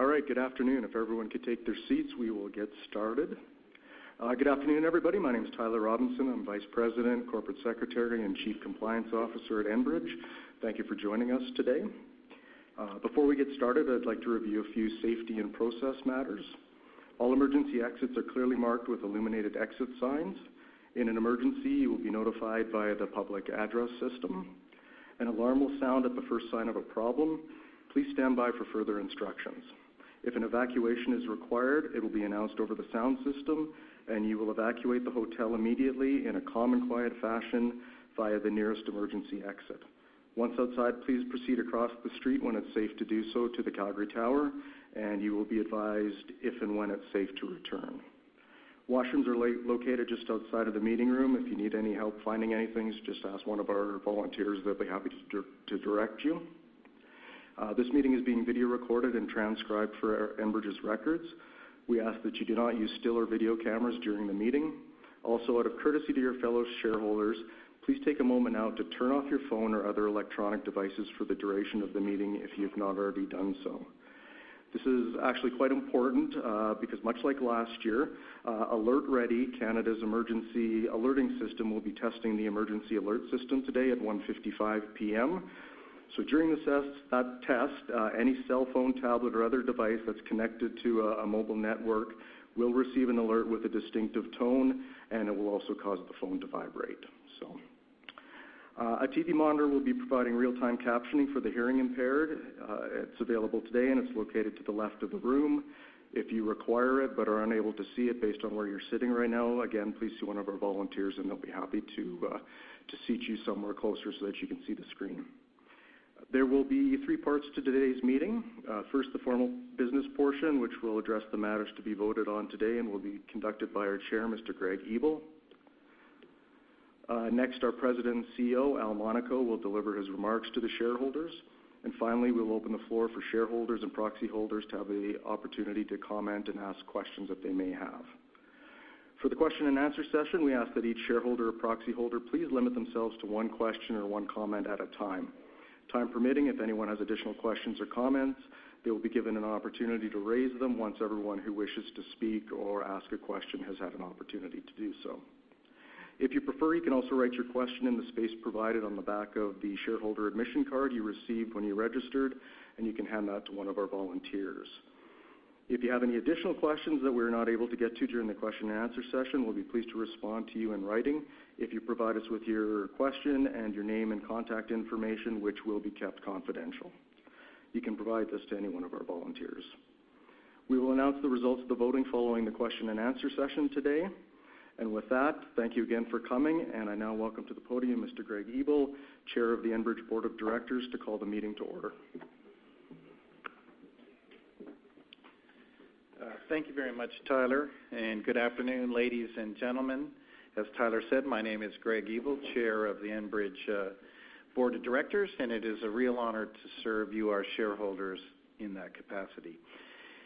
All right. Good afternoon. If everyone could take their seats, we will get started. Good afternoon, everybody. My name is Tyler Robinson. I'm Vice President, Corporate Secretary, and Chief Compliance Officer at Enbridge. Thank you for joining us today. Before we get started, I'd like to review a few safety and process matters. All emergency exits are clearly marked with illuminated exit signs. In an emergency, you will be notified via the public address system. An alarm will sound at the first sign of a problem. Please stand by for further instructions. If an evacuation is required, it will be announced over the sound system, and you will evacuate the hotel immediately in a calm and quiet fashion via the nearest emergency exit. Once outside, please proceed across the street when it's safe to do so to the Calgary Tower, and you will be advised if and when it's safe to return. Washrooms are located just outside of the meeting room. If you need any help finding anything, just ask one of our volunteers. They'll be happy to direct you. This meeting is being video recorded and transcribed for Enbridge's records. We ask that you do not use still or video cameras during the meeting. Out of courtesy to your fellow shareholders, please take a moment now to turn off your phone or other electronic devices for the duration of the meeting if you have not already done so. This is actually quite important because much like last year, Alert Ready, Canada's emergency alerting system, will be testing the emergency alert system today at 1:55 P.M. During that test, any cell phone, tablet, or other device that's connected to a mobile network will receive an alert with a distinctive tone, and it will also cause the phone to vibrate. A TV monitor will be providing real-time captioning for the hearing-impaired. It's available today, and it's located to the left of the room. If you require it but are unable to see it based on where you're sitting right now, again, please see one of our volunteers, and they'll be happy to seat you somewhere closer so that you can see the screen. There will be three parts to today's meeting. First, the formal business portion, which will address the matters to be voted on today and will be conducted by our Chair, Mr. Greg Ebel. Next, our President and CEO, Al Monaco, will deliver his remarks to the shareholders. Finally, we will open the floor for shareholders and proxy holders to have the opportunity to comment and ask questions that they may have. For the question and answer session, we ask that each shareholder or proxy holder please limit themselves to one question or one comment at a time. Time permitting, if anyone has additional questions or comments, they will be given an opportunity to raise them once everyone who wishes to speak or ask a question has had an opportunity to do so. If you prefer, you can also write your question in the space provided on the back of the shareholder admission card you received when you registered, and you can hand that to one of our volunteers. If you have any additional questions that we're not able to get to during the question and answer session, we'll be pleased to respond to you in writing if you provide us with your question and your name and contact information, which will be kept confidential. You can provide this to any one of our volunteers. We will announce the results of the voting following the question and answer session today. With that, thank you again for coming, and I now welcome to the podium Greg Ebel, Chair of the Enbridge Board of Directors, to call the meeting to order. Thank you very much, Tyler, good afternoon, ladies and gentlemen. As Tyler said, my name is Greg Ebel, Chair of the Enbridge Board of Directors, and it is a real honor to serve you, our shareholders, in that capacity.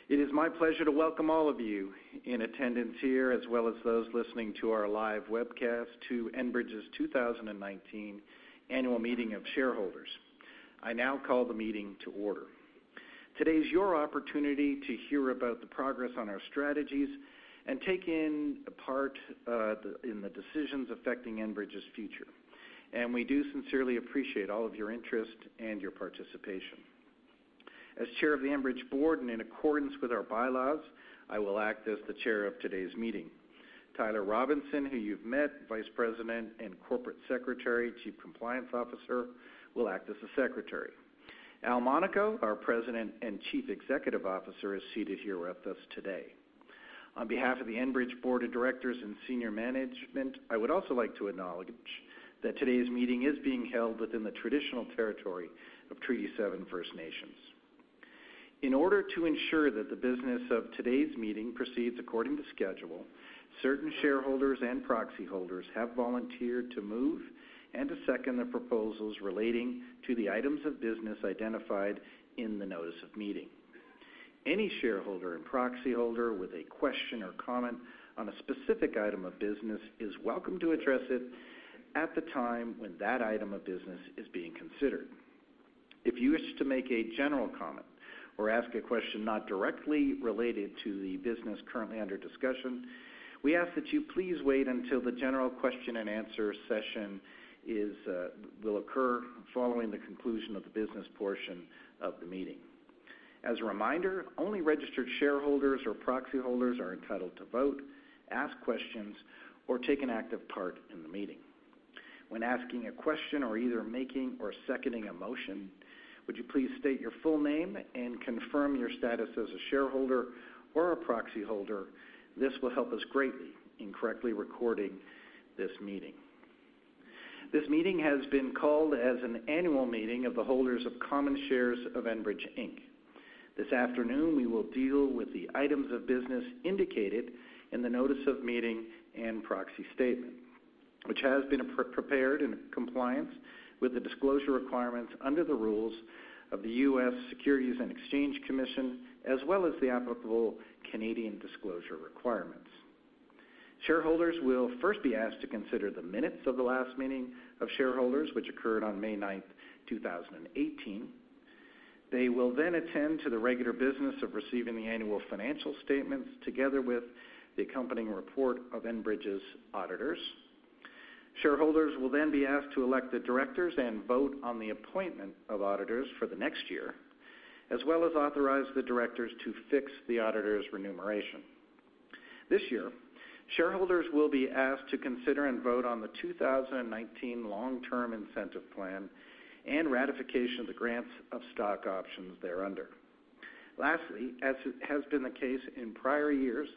It is my pleasure to welcome all of you in attendance here, as well as those listening to our live webcast to Enbridge's 2019 Annual Meeting of Shareholders. I now call the meeting to order. Today is your opportunity to hear about the progress on our strategies and take in a part in the decisions affecting Enbridge's future. We do sincerely appreciate all of your interest and your participation. As Chair of the Enbridge Board and in accordance with our bylaws, I will act as the chair of today's meeting. Tyler Robinson, who you've met, Vice President and Corporate Secretary, Chief Compliance Officer, will act as the secretary. Al Monaco, our President and Chief Executive Officer, is seated here with us today. On behalf of the Enbridge Board of Directors and senior management, I would also like to acknowledge that today's meeting is being held within the traditional territory of Treaty Seven First Nations. In order to ensure that the business of today's meeting proceeds according to schedule, certain shareholders and proxy holders have volunteered to move and to second the proposals relating to the items of business identified in the notice of meeting. Any shareholder and proxy holder with a question or comment on a specific item of business is welcome to address it at the time when that item of business is being considered. If you wish to make a general comment or ask a question not directly related to the business currently under discussion, we ask that you please wait until the general question and answer session will occur following the conclusion of the business portion of the meeting. As a reminder, only registered shareholders or proxy holders are entitled to vote, ask questions, or take an active part in the meeting. When asking a question or either making or seconding a motion, would you please state your full name and confirm your status as a shareholder or a proxy holder? This will help us greatly in correctly recording this meeting. This meeting has been called as an annual meeting of the holders of common shares of Enbridge Inc. This afternoon, we will deal with the items of business indicated in the notice of meeting and proxy statement, which has been prepared in compliance with the disclosure requirements under the rules of the U.S. Securities and Exchange Commission, as well as the applicable Canadian disclosure requirements. Shareholders will first be asked to consider the minutes of the last meeting of shareholders, which occurred on May 9th, 2018. They will then attend to the regular business of receiving the annual financial statements, together with the accompanying report of Enbridge's auditors. Shareholders will then be asked to elect the directors and vote on the appointment of auditors for the next year, as well as authorize the directors to fix the auditors' remuneration. This year, shareholders will be asked to consider and vote on the 2019 long-term incentive plan and ratification of the grants of stock options thereunder. Lastly, as has been the case in prior years,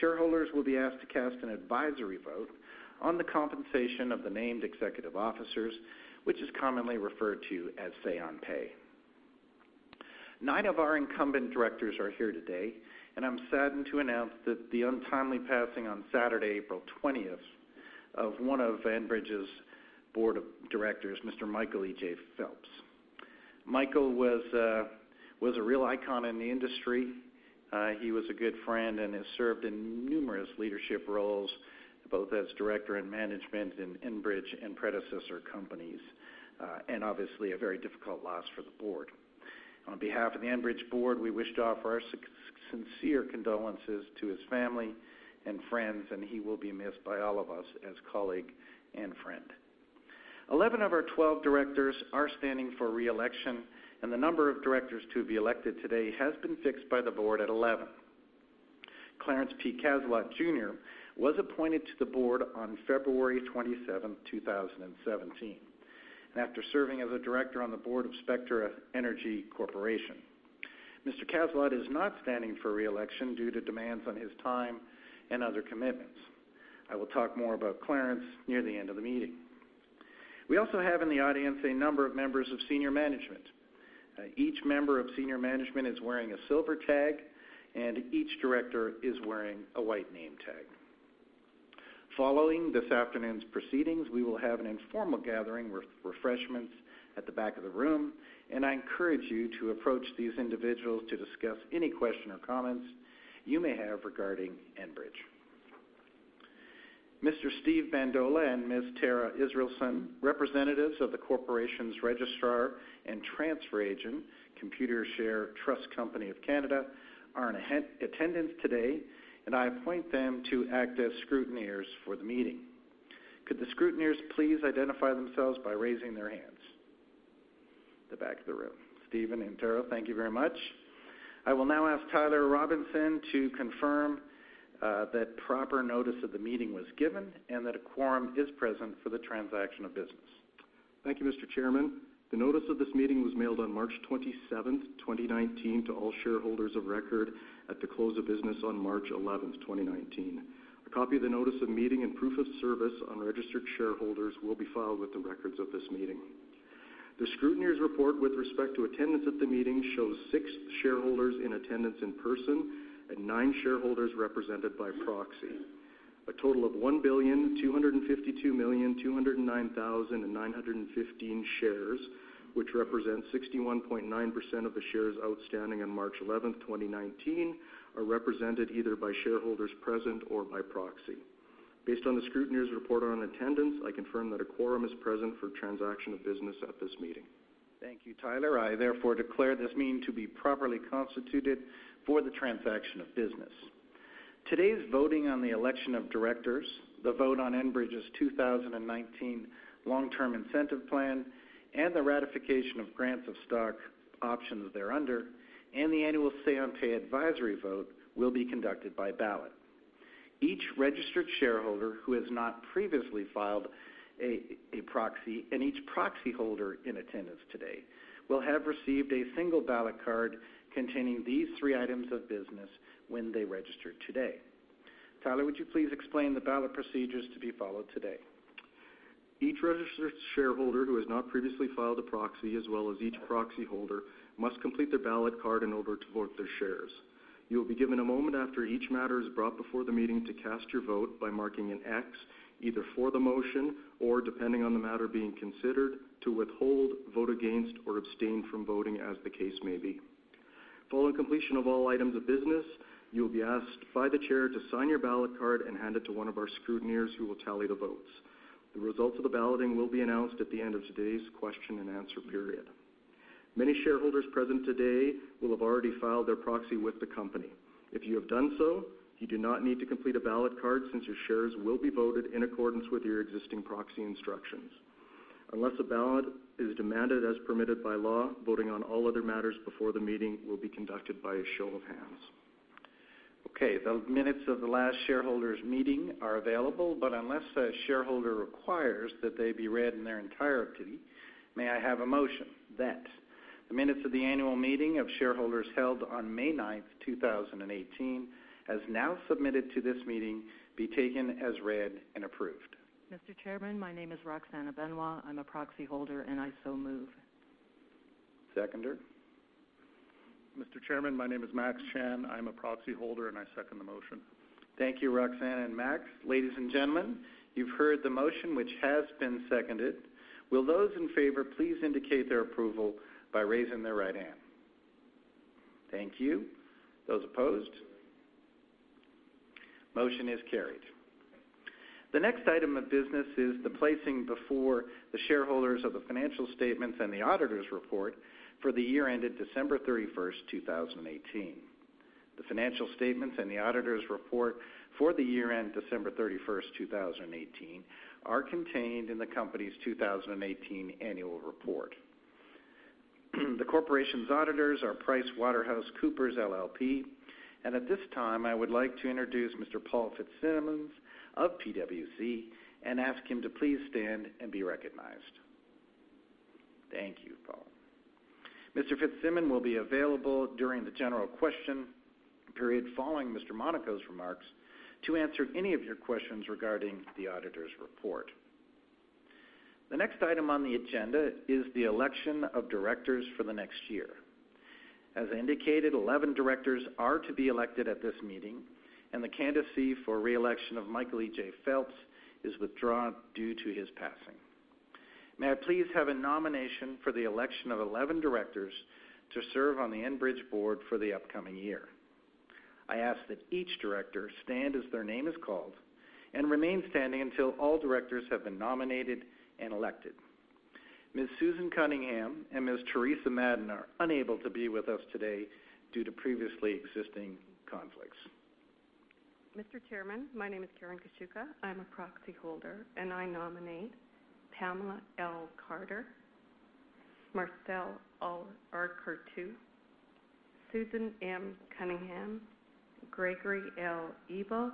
shareholders will be asked to cast an advisory vote on the compensation of the named executive officers, which is commonly referred to as say on pay. Nine of our incumbent directors are here today. I'm saddened to announce the untimely passing on Saturday, April 20th, of one of Enbridge's board of directors, Mr. Michael E.J. Phelps. Michael was a real icon in the industry. He was a good friend and has served in numerous leadership roles, both as director and management in Enbridge and predecessor companies. Obviously, a very difficult loss for the board. On behalf of the Enbridge board, we wish to offer our sincere condolences to his family and friends, and he will be missed by all of us as colleague and friend. 11 of our 12 directors are standing for re-election, and the number of directors to be elected today has been fixed by the board at 11. Clarence P. Cazalot Jr. was appointed to the board on February 27, 2017, after serving as a director on the board of Spectra Energy Corporation. Mr. Cazalot is not standing for re-election due to demands on his time and other commitments. I will talk more about Clarence near the end of the meeting. We also have in the audience a number of members of senior management. Each member of senior management is wearing a silver tag, and each director is wearing a white name tag. Following this afternoon's proceedings, we will have an informal gathering with refreshments at the back of the room, and I encourage you to approach these individuals to discuss any question or comments you may have regarding Enbridge. Mr. Steve Bandola and Ms. Tara Israelson, representatives of the corporation's registrar and transfer agent, Computershare Trust Company of Canada, are in attendance today. I appoint them to act as scrutineers for the meeting. Could the scrutineers please identify themselves by raising their hands? The back of the room. Steven and Tara, thank you very much. I will now ask Tyler Robinson to confirm that proper notice of the meeting was given and that a quorum is present for the transaction of business. Thank you, Mr. Chairman. The notice of this meeting was mailed on March 27th, 2019, to all shareholders of record at the close of business on March 11th, 2019. A copy of the notice of meeting and proof of service on registered shareholders will be filed with the records of this meeting. The scrutineers' report with respect to attendance at the meeting shows six shareholders in attendance in person and nine shareholders represented by proxy. A total of 1,252,209,915 shares, which represents 61.9% of the shares outstanding on March 11th, 2019, are represented either by shareholders present or by proxy. Based on the scrutineers' report on attendance, I confirm that a quorum is present for transaction of business at this meeting. Thank you, Tyler. I therefore declare this meeting to be properly constituted for the transaction of business. Today's voting on the election of directors, the vote on Enbridge's 2019 long-term incentive plan and the ratification of grants of stock options thereunder, and the annual say on pay advisory vote will be conducted by ballot. Each registered shareholder who has not previously filed a proxy and each proxy holder in attendance today will have received a single ballot card containing these three items of business when they registered today. Tyler, would you please explain the ballot procedures to be followed today? Each registered shareholder who has not previously filed a proxy, as well as each proxy holder, must complete their ballot card in order to vote their shares. You will be given a moment after each matter is brought before the meeting to cast your vote by marking an X either for the motion or, depending on the matter being considered, to withhold, vote against, or abstain from voting as the case may be. Following completion of all items of business, you will be asked by the chair to sign your ballot card and hand it to one of our scrutineers, who will tally the votes. The results of the balloting will be announced at the end of today's question-and-answer period. Many shareholders present today will have already filed their proxy with the company. If you have done so, you do not need to complete a ballot card since your shares will be voted in accordance with your existing proxy instructions. Unless a ballot is demanded as permitted by law, voting on all other matters before the meeting will be conducted by a show of hands. The minutes of the last shareholders' meeting are available, unless a shareholder requires that they be read in their entirety, may I have a motion that the minutes of the annual meeting of shareholders held on May 9th, 2018, as now submitted to this meeting, be taken as read and approved. Mr. Chairman, my name is Roxanna Benoit. I'm a proxy holder, I so move. Seconder? Mr. Chairman, my name is Max Chan. I'm a proxy holder, I second the motion. Thank you, Roxanna and Max. Ladies and gentlemen, you've heard the motion, which has been seconded. Will those in favor please indicate their approval by raising their right hand? Thank you. Those opposed? Motion is carried. The next item of business is the placing before the shareholders of the financial statements and the auditors' report for the year ended December 31st, 2018. The financial statements and the auditors' report for the year end December 31st, 2018, are contained in the company's 2018 annual report. The corporation's auditors are PricewaterhouseCoopers LLP. At this time, I would like to introduce Mr. Paul Fitzsimmons of PwC and ask him to please stand and be recognized. Thank you, Paul. Mr. Fitzsimmons will be available during the general question period following Mr. Monaco's remarks to answer any of your questions regarding the auditors' report. The next item on the agenda is the election of directors for the next year. As indicated, 11 directors are to be elected at this meeting, and the candidacy for re-election of Michael E.J. Phelps is withdrawn due to his passing. May I please have a nomination for the election of 11 directors to serve on the Enbridge board for the upcoming year? I ask that each director stand as their name is called and remain standing until all directors have been nominated and elected. Ms. Susan Cunningham and Ms. Teresa Madden are unable to be with us today due to previously existing conflicts. Mr. Chairman, my name is Karen Kosziwka. I'm a proxy holder. I nominate Pamela L. Carter, Marcel R. Coutu, Susan M. Cunningham, Gregory L. Ebel,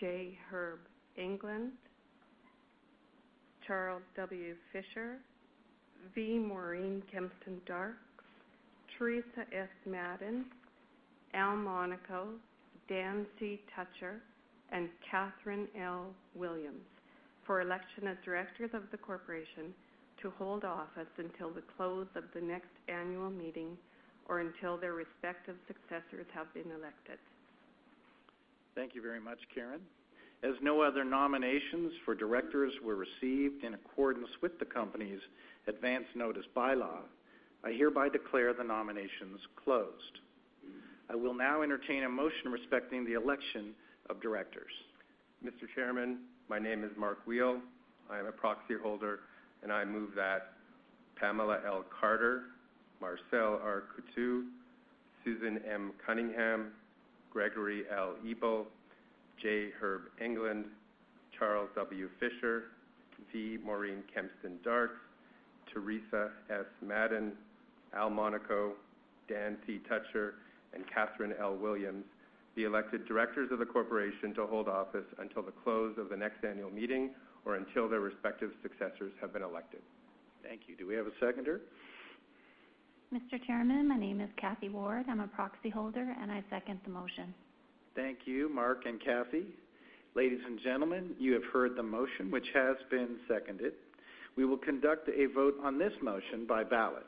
J. Herb England, Charles W. Fisher, V. Maureen Kempston Darkes, Teresa S. Madden, Al Monaco, Dan C. Tutcher, and Catherine L. Williams for election as directors of the corporation to hold office until the close of the next annual meeting or until their respective successors have been elected. Thank you very much, Karen. As no other nominations for directors were received in accordance with the company's advance notice bylaw, I hereby declare the nominations closed. I will now entertain a motion respecting the election of directors. Mr. Chairman, my name is Mark Wheel. I am a proxy holder. I move that Pamela L. Carter, Marcel R. Coutu, Susan M. Cunningham, Gregory L. Ebel, J. Herb England, Charles W. Fisher, V. Maureen Kempston Darkes, Teresa S. Madden, Al Monaco, Dan C. Tutcher, and Catherine L. Williams be elected directors of the corporation to hold office until the close of the next annual meeting or until their respective successors have been elected. Thank you. Do we have a seconder? Mr. Chairman, my name is Cathy Ward. I'm a proxy holder, and I second the motion. Thank you, Mark and Cathy. Ladies and gentlemen, you have heard the motion, which has been seconded. We will conduct a vote on this motion by ballot.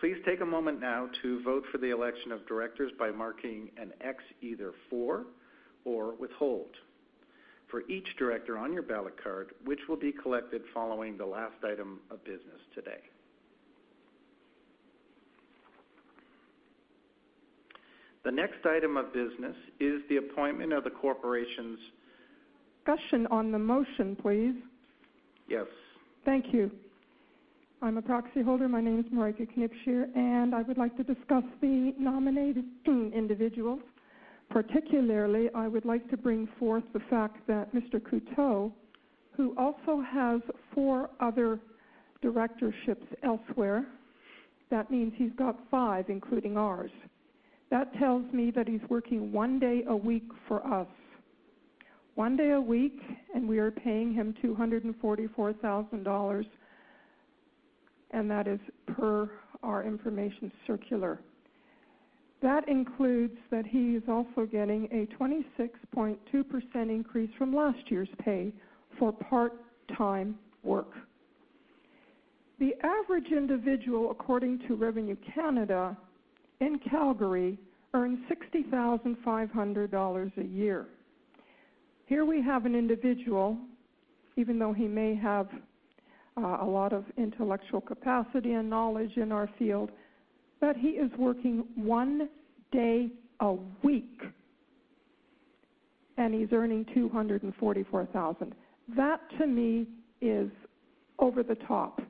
Please take a moment now to vote for the election of directors by marking an X either for or withhold. For each director on your ballot card, which will be collected following the last item of business today. The next item of business is the appointment of the corporation's- Discussion on the motion, please. Yes. Thank you. I'm a proxy holder. My name is Marijke Knipscheer. I would like to discuss the nominated individuals. Particularly, I would like to bring forth the fact that Mr. Coutu, who also has four other directorships elsewhere, that means he's got five, including ours. That tells me that he's working one day a week for us. One day a week. We are paying him 244,000 dollars. That is per our information circular. That includes that he is also getting a 26.2% increase from last year's pay for part-time work. The average individual, according to Revenue Canada, in Calgary earns 60,500 dollars a year. Here we have an individual, even though he may have a lot of intellectual capacity and knowledge in our field, he is working one day a week, he's earning 244,000. That, to me, is over the top.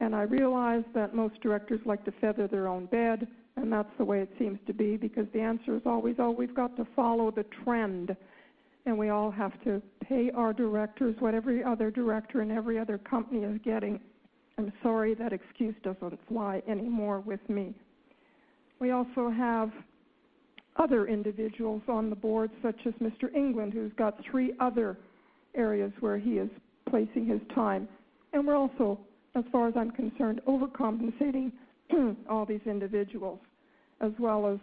I realize that most directors like to feather their own bed, that's the way it seems to be, because the answer is always, "Oh, we've got to follow the trend, we all have to pay our directors what every other director in every other company is getting." I'm sorry, that excuse doesn't fly anymore with me. We also have other individuals on the board, such as Mr. England, who's got three other areas where he is placing his time, we're also, as far as I'm concerned, overcompensating all these individuals, as well as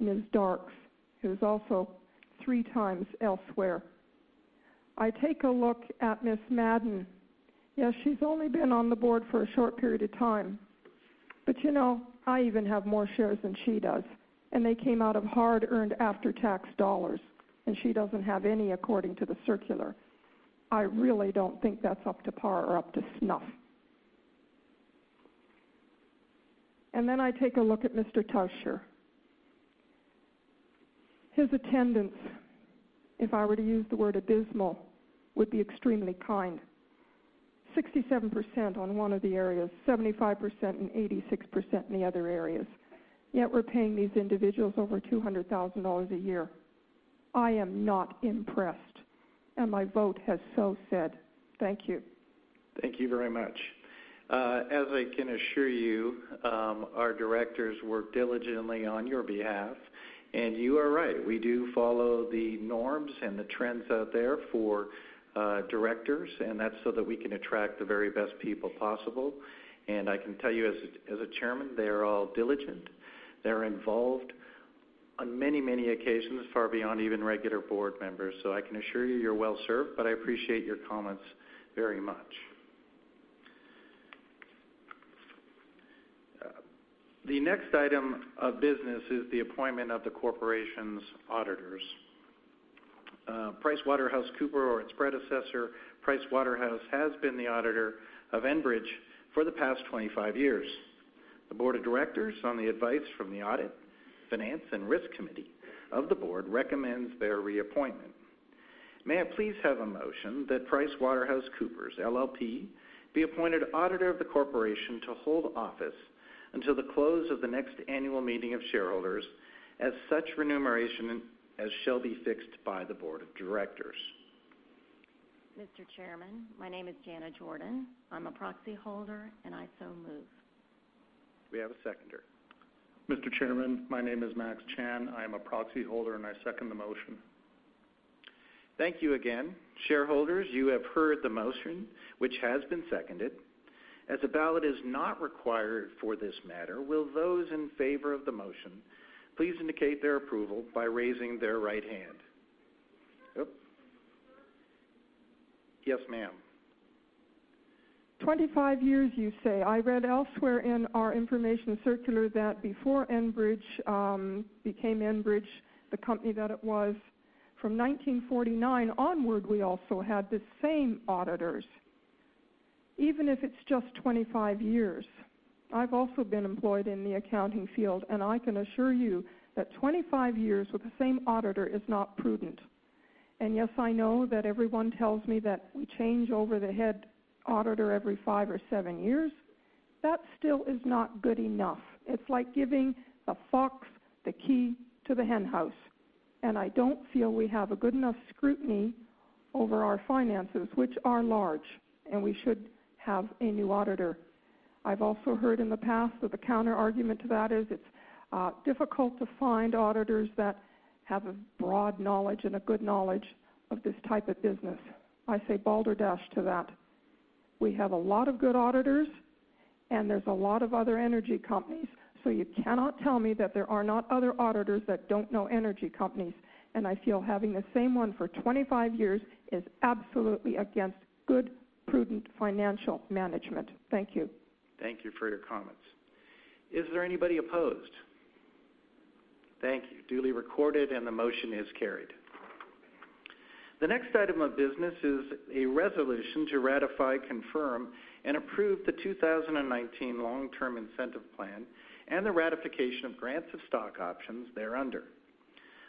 Ms. Darkes, who's also three times elsewhere. I take a look at Ms. Madden. Yes, she's only been on the board for a short period of time. You know, I even have more shares than she does, they came out of hard-earned after-tax dollars, she doesn't have any, according to the circular. I really don't think that's up to par or up to snuff. I take a look at Mr. Tutcher. His attendance, if I were to use the word abysmal, would be extremely kind. 67% on one of the areas, 75% and 86% in the other areas, yet we're paying these individuals over 200,000 dollars a year. I am not impressed, my vote has so said. Thank you. Thank you very much. As I can assure you, our directors work diligently on your behalf. You are right, we do follow the norms, the trends out there for directors, that's so that we can attract the very best people possible. I can tell you as the chairman, they are all diligent. They're involved on many, many occasions, far beyond even regular board members. I can assure you're well-served, I appreciate your comments very much. The next item of business is the appointment of the corporation's auditors. PricewaterhouseCoopers or its predecessor, Price Waterhouse, has been the auditor of Enbridge for the past 25 years. The board of directors, on the advice from the audit, finance, risk committee of the board, recommends their reappointment. May I please have a motion that PricewaterhouseCoopers LLP be appointed auditor of the corporation to hold office until the close of the next annual meeting of shareholders as such remuneration as shall be fixed by the board of directors. Mr. Chairman, my name is Jana Jordan. I am a proxy holder, and I so move. Do we have a seconder? Mr. Chairman, my name is Max Chan. I am a proxy holder, and I second the motion. Thank you again. Shareholders, you have heard the motion, which has been seconded. As a ballot is not required for this matter, will those in favor of the motion please indicate their approval by raising their right hand. Yes, ma'am. 25 years you say. I read elsewhere in our information circular that before Enbridge became Enbridge, the company that it was, from 1949 onward, we also had the same auditors. Even if it's just 25 years, I've also been employed in the accounting field, and I can assure you that 25 years with the same auditor is not prudent. Yes, I know that everyone tells me that we change over the head auditor every five or seven years. That still is not good enough. It's like giving a fox the key to the henhouse, and I don't feel we have a good enough scrutiny over our finances, which are large, and we should have a new auditor. I've also heard in the past that the counterargument to that is it's difficult to find auditors that have a broad knowledge and a good knowledge of this type of business. I say balderdash to that. We have a lot of good auditors, and there's a lot of other energy companies, so you cannot tell me that there are not other auditors that don't know energy companies. I feel having the same one for 25 years is absolutely against good, prudent financial management. Thank you. Thank you for your comments. Is there anybody opposed? Thank you. Duly recorded and the motion is carried. The next item of business is a resolution to ratify, confirm, and approve the 2019 long-term incentive plan and the ratification of grants of stock options thereunder.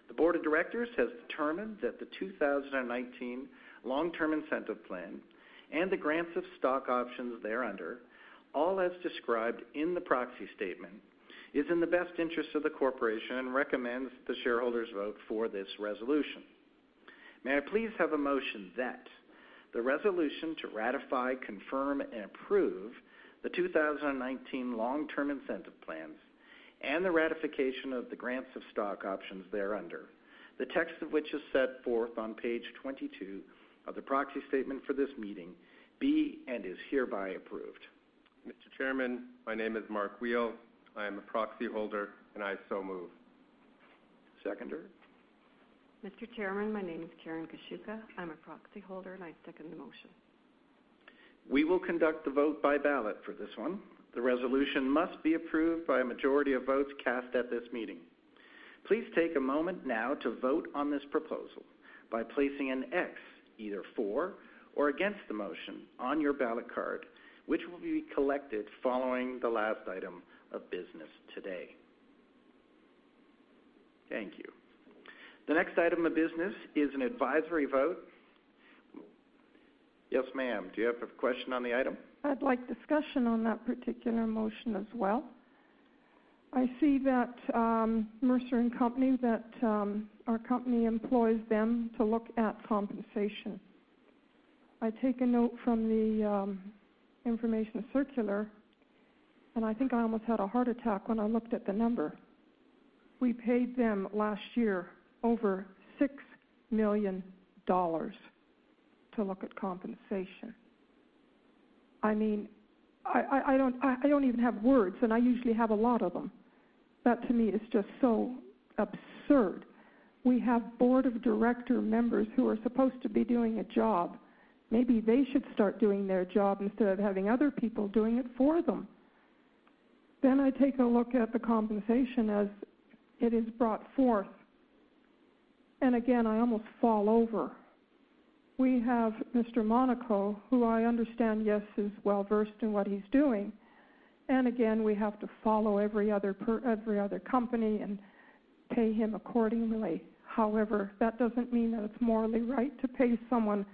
The board of directors has determined that the 2019 long-term incentive plan and the grants of stock options thereunder, all as described in the proxy statement, is in the best interest of the corporation and recommends the shareholders vote for this resolution. May I please have a motion that the resolution to ratify, confirm, and approve the 2019 long-term incentive plans and the ratification of the grants of stock options thereunder, the text of which is set forth on page 22 of the proxy statement for this meeting be and is hereby approved. Mr. Chairman, my name is Mark Wheel. I am a proxy holder. I so move. Seconder? Mr. Chairman, my name is Karen Kashuka. I'm a proxy holder. I second the motion. We will conduct the vote by ballot for this one. The resolution must be approved by a majority of votes cast at this meeting. Please take a moment now to vote on this proposal by placing an X either for or against the motion on your ballot card, which will be collected following the last item of business today. Thank you. The next item of business is an advisory vote. Yes, ma'am. Do you have a question on the item? I'd like discussion on that particular motion as well. I see that Mercer, that our company employs them to look at compensation. I take a note from the information circular. I think I almost had a heart attack when I looked at the number. We paid them last year over 6 million dollars to look at compensation. I don't even have words. I usually have a lot of them. That to me is just so absurd. We have board of director members who are supposed to be doing a job. Maybe they should start doing their job instead of having other people doing it for them. I take a look at the compensation as it is brought forth. Again, I almost fall over. We have Mr. Monaco, who I understand, yes, is well-versed in what he's doing. Again, we have to follow every other company and pay him accordingly. However, that doesn't mean that it's morally right to pay someone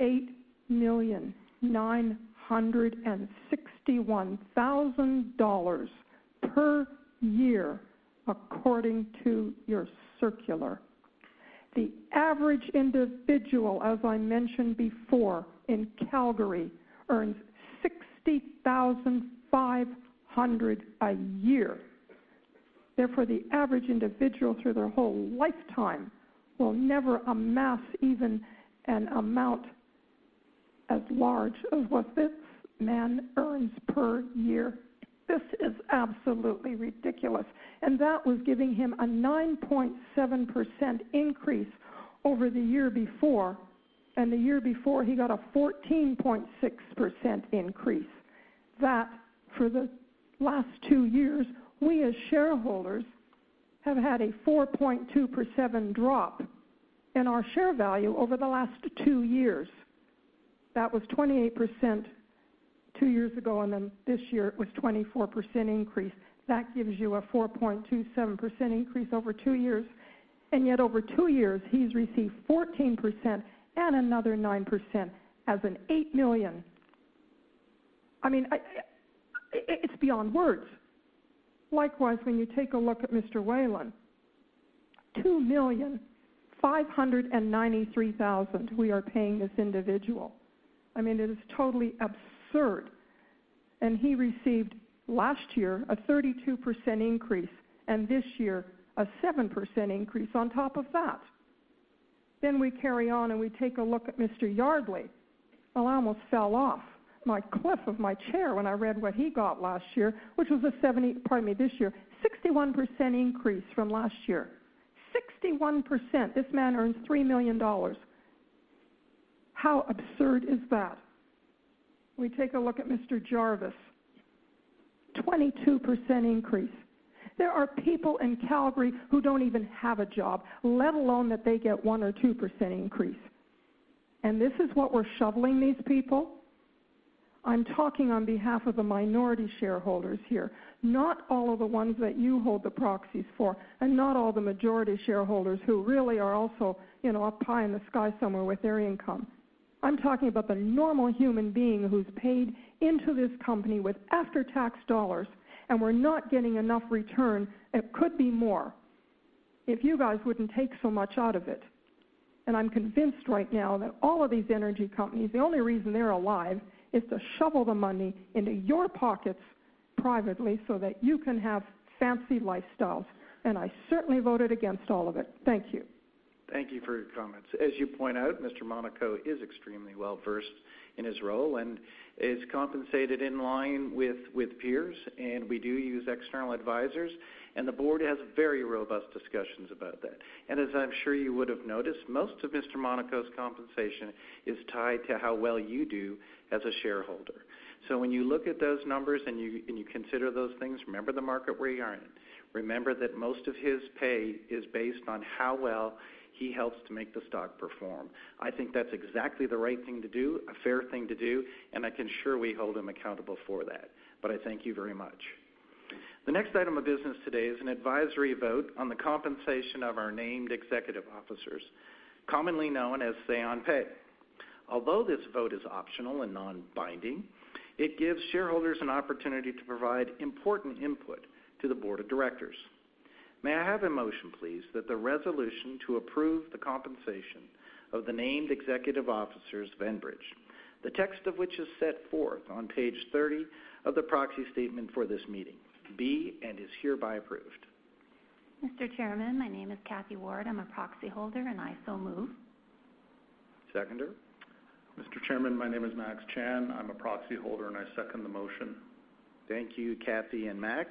8,961,000 dollars per year, according to your circular. The average individual, as I mentioned before, in Calgary earns 60,500 a year. Therefore, the average individual through their whole lifetime will never amass even an amount as large as what this man earns per year. This is absolutely ridiculous, and that was giving him a 9.7% increase over the year before. The year before, he got a 14.6% increase. That for the last two years, we as shareholders have had a 4.27% drop in our share value over the last two years. That was 28% two years ago, and this year it was 24% increase. That gives you a 4.27% increase over two years. Yet over two years, he's received 14% and another 9% as a 8 million. It's beyond words. Likewise, when you take a look at Mr. Whelen, 2,593,000 we are paying this individual. It is totally absurd, and he received last year a 32% increase, this year a 7% increase on top of that. We carry on, and we take a look at Mr. Yardley. I almost fell off my cliff of my chair when I read what he got last year, which was this year, 61% increase from last year. 61%. This man earns 3 million dollars. How absurd is that? We take a look at Mr. Jarvis. 22% increase. There are people in Calgary who don't even have a job, let alone that they get 1 or 2% increase. This is what we're shoveling these people? I'm talking on behalf of the minority shareholders here, not all of the ones that you hold the proxies for and not all the majority shareholders who really are also up high in the sky somewhere with their income. I'm talking about the normal human being who's paid into this company with after-tax dollars, we're not getting enough return. It could be more if you guys wouldn't take so much out of it. I'm convinced right now that all of these energy companies, the only reason they're alive is to shovel the money into your pockets privately so that you can have fancy lifestyles. I certainly voted against all of it. Thank you. Thank you for your comments. As you point out, Mr. Monaco is extremely well-versed in his role and is compensated in line with peers. We do use external advisors, the board has very robust discussions about that. As I'm sure you would've noticed, most of Mr. Monaco's compensation is tied to how well you do as a shareholder. When you look at those numbers and you consider those things, remember the market we are in. Remember that most of his pay is based on how well he helps to make the stock perform. I think that's exactly the right thing to do, a fair thing to do, I can sure we hold him accountable for that. I thank you very much. The next item of business today is an advisory vote on the compensation of our named executive officers, commonly known as say on pay. Although this vote is optional and non-binding, it gives shareholders an opportunity to provide important input to the board of directors. May I have a motion, please, that the resolution to approve the compensation of the named executive officers of Enbridge, the text of which is set forth on page 30 of the proxy statement for this meeting, be and is hereby approved. Mr. Chairman, my name is Cathy Ward. I'm a proxy holder, I so move. Seconder? Mr. Chairman, my name is Max Chan. I'm a proxy holder, I second the motion. Thank you, Cathy and Max.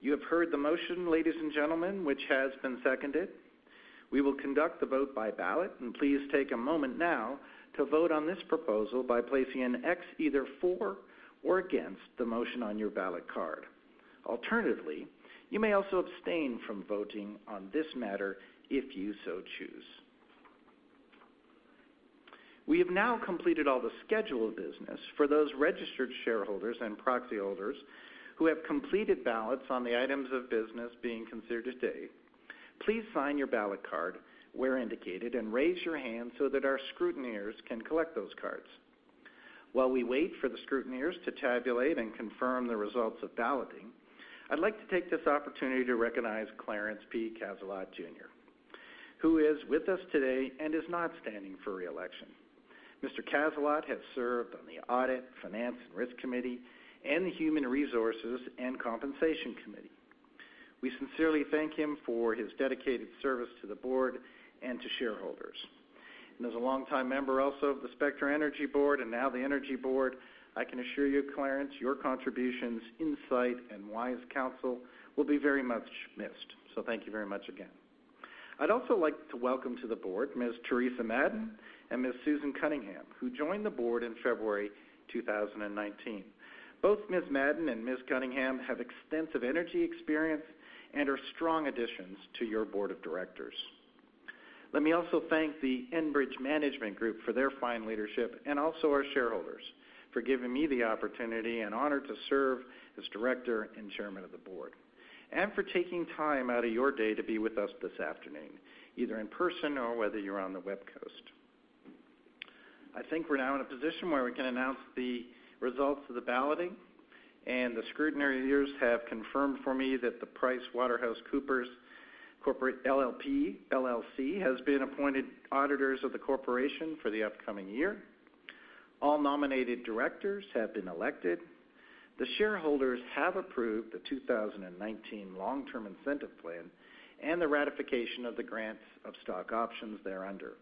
You have heard the motion, ladies and gentlemen, which has been seconded. We will conduct the vote by ballot, please take a moment now to vote on this proposal by placing an X either for or against the motion on your ballot card. Alternatively, you may also abstain from voting on this matter if you so choose. We have now completed all the scheduled business. For those registered shareholders and proxy holders who have completed ballots on the items of business being considered today, please sign your ballot card where indicated and raise your hand so that our scrutineers can collect those cards. While we wait for the scrutineers to tabulate and confirm the results of balloting, I'd like to take this opportunity to recognize Clarence P. Cazalot Jr., who is with us today and is not standing for reelection. Mr. Cazalot has served on the Audit, Finance and Risk Committee and the Human Resources and Compensation Committee. We sincerely thank him for his dedicated service to the board and to shareholders. As a longtime member also of the Spectra Energy Board and now the Energy Board, I can assure you, Clarence, your contributions, insight, and wise counsel will be very much missed. Thank you very much again. I'd also like to welcome to the board Ms. Teresa Madden and Ms. Susan Cunningham, who joined the board in February 2019. Both Ms. Madden and Ms. Cunningham have extensive energy experience and are strong additions to your board of directors. Let me also thank the Enbridge management group for their fine leadership and also our shareholders for giving me the opportunity and honor to serve as Director and Chairman of the Board, and for taking time out of your day to be with us this afternoon, either in person or whether you're on the webcast. I think we're now in a position where we can announce the results of the balloting, and the scrutineers have confirmed for me that the PricewaterhouseCoopers corporate LLP, LLC, has been appointed auditors of the corporation for the upcoming year. All nominated directors have been elected. The shareholders have approved the 2019 Long-Term Incentive Plan and the ratification of the grants of stock options thereunder.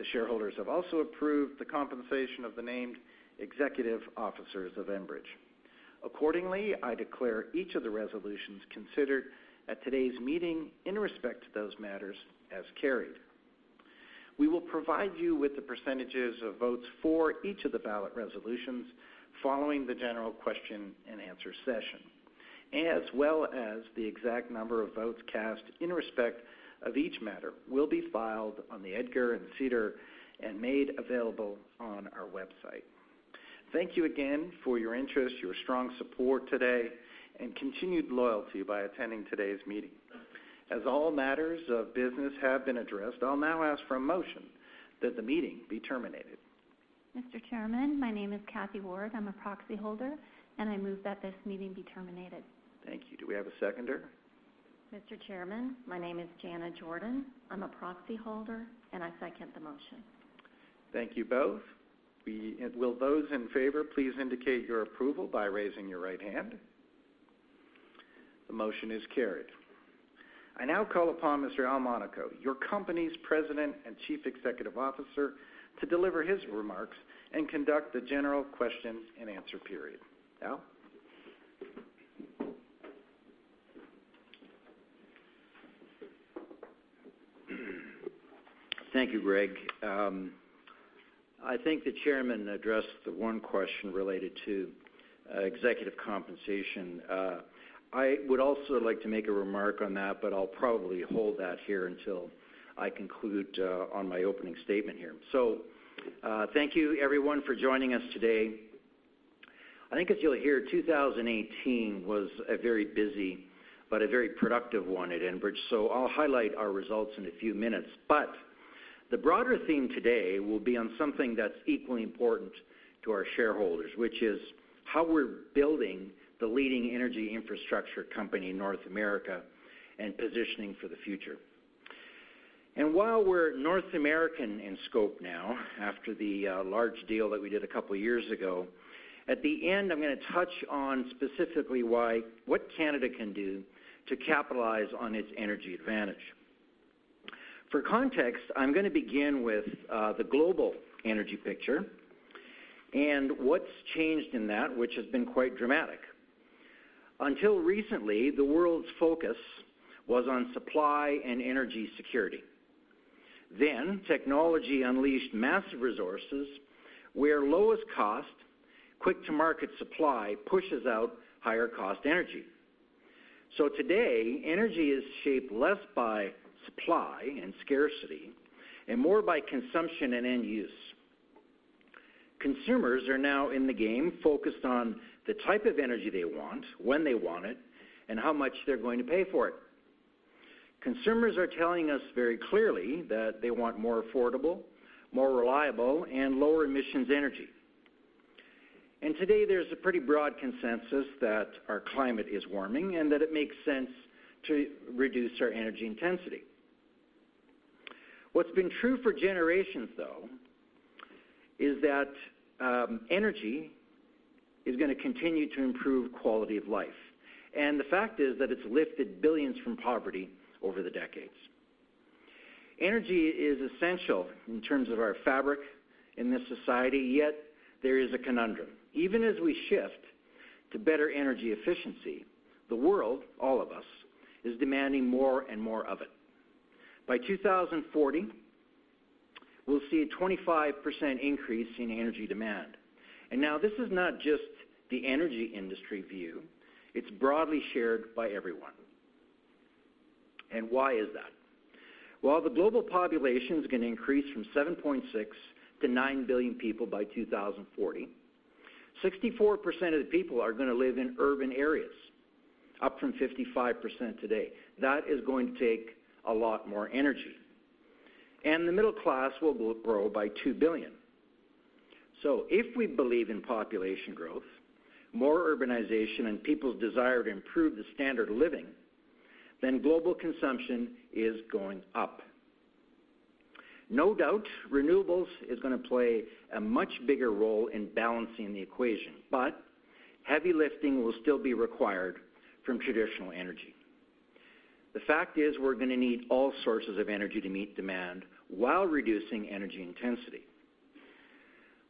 The shareholders have also approved the compensation of the named executive officers of Enbridge. Accordingly, I declare each of the resolutions considered at today's meeting in respect to those matters as carried. We will provide you with the percentages of votes for each of the ballot resolutions following the general question and answer session, as well as the exact number of votes cast in respect of each matter will be filed on the EDGAR and SEDAR and made available on our website. Thank you again for your interest, your strong support today, and continued loyalty by attending today's meeting. As all matters of business have been addressed, I'll now ask for a motion that the meeting be terminated. Mr. Chairman, my name is Cathy Ward. I'm a proxy holder. I move that this meeting be terminated. Thank you. Do we have a seconder? Mr. Chairman, my name is Jana Jordan. I'm a proxy holder, I second the motion. Thank you both. Will those in favor please indicate your approval by raising your right hand? The motion is carried. I now call upon Mr. Al Monaco, your company's President and Chief Executive Officer, to deliver his remarks and conduct the general question and answer period. Al? Thank you, Greg. I think the chairman addressed the one question related to executive compensation. I would also like to make a remark on that, I'll probably hold that here until I conclude on my opening statement here. Thank you everyone for joining us today. I think as you'll hear, 2018 was a very busy a very productive one at Enbridge. I'll highlight our results in a few minutes, the broader theme today will be on something that's equally important to our shareholders, which is how we're building the leading energy infrastructure company in North America and positioning for the future. While we're North American in scope now, after the large deal that we did a couple of years ago, at the end, I'm going to touch on specifically what Canada can do to capitalize on its energy advantage. For context, I'm going to begin with the global energy picture and what's changed in that, which has been quite dramatic. Until recently, the world's focus was on supply and energy security. Technology unleashed massive resources where lowest cost, quick-to-market supply pushes out higher cost energy. Today, energy is shaped less by supply and scarcity and more by consumption and end use. Consumers are now in the game focused on the type of energy they want, when they want it, and how much they're going to pay for it. Consumers are telling us very clearly that they want more affordable, more reliable, and lower emissions energy. Today, there's a pretty broad consensus that our climate is warming and that it makes sense to reduce our energy intensity. What's been true for generations, though, is that energy is going to continue to improve quality of life, and the fact is that it's lifted billions from poverty over the decades. Energy is essential in terms of our fabric in this society, yet there is a conundrum. Even as we shift to better energy efficiency, the world, all of us, is demanding more and more of it. By 2040, we'll see a 25% increase in energy demand. This is not just the energy industry view. It's broadly shared by everyone. Why is that? While the global population is going to increase from 7.6 to nine billion people by 2040, 64% of the people are going to live in urban areas, up from 55% today. That is going to take a lot more energy. The middle class will grow by two billion. If we believe in population growth, more urbanization, and people's desire to improve the standard of living, global consumption is going up. No doubt, renewables is going to play a much bigger role in balancing the equation, but heavy lifting will still be required from traditional energy. The fact is, we're going to need all sources of energy to meet demand while reducing energy intensity.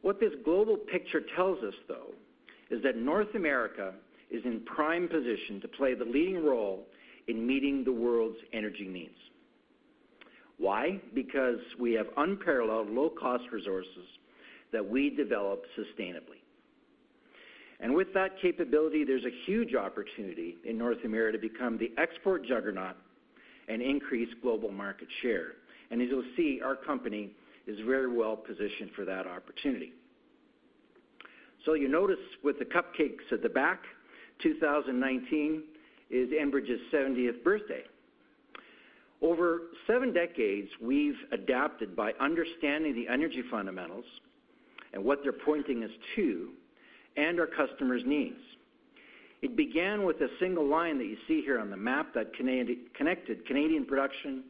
What this global picture tells us, though, is that North America is in prime position to play the leading role in meeting the world's energy needs. Why? Because we have unparalleled low-cost resources that we develop sustainably. With that capability, there's a huge opportunity in North America to become the export juggernaut and increase global market share. As you'll see, our company is very well-positioned for that opportunity. You notice with the cupcakes at the back, 2019 is Enbridge's 70th birthday. Over seven decades, we've adapted by understanding the energy fundamentals and what they're pointing us to and our customer's needs. It began with a single line that you see here on the map that connected Canadian production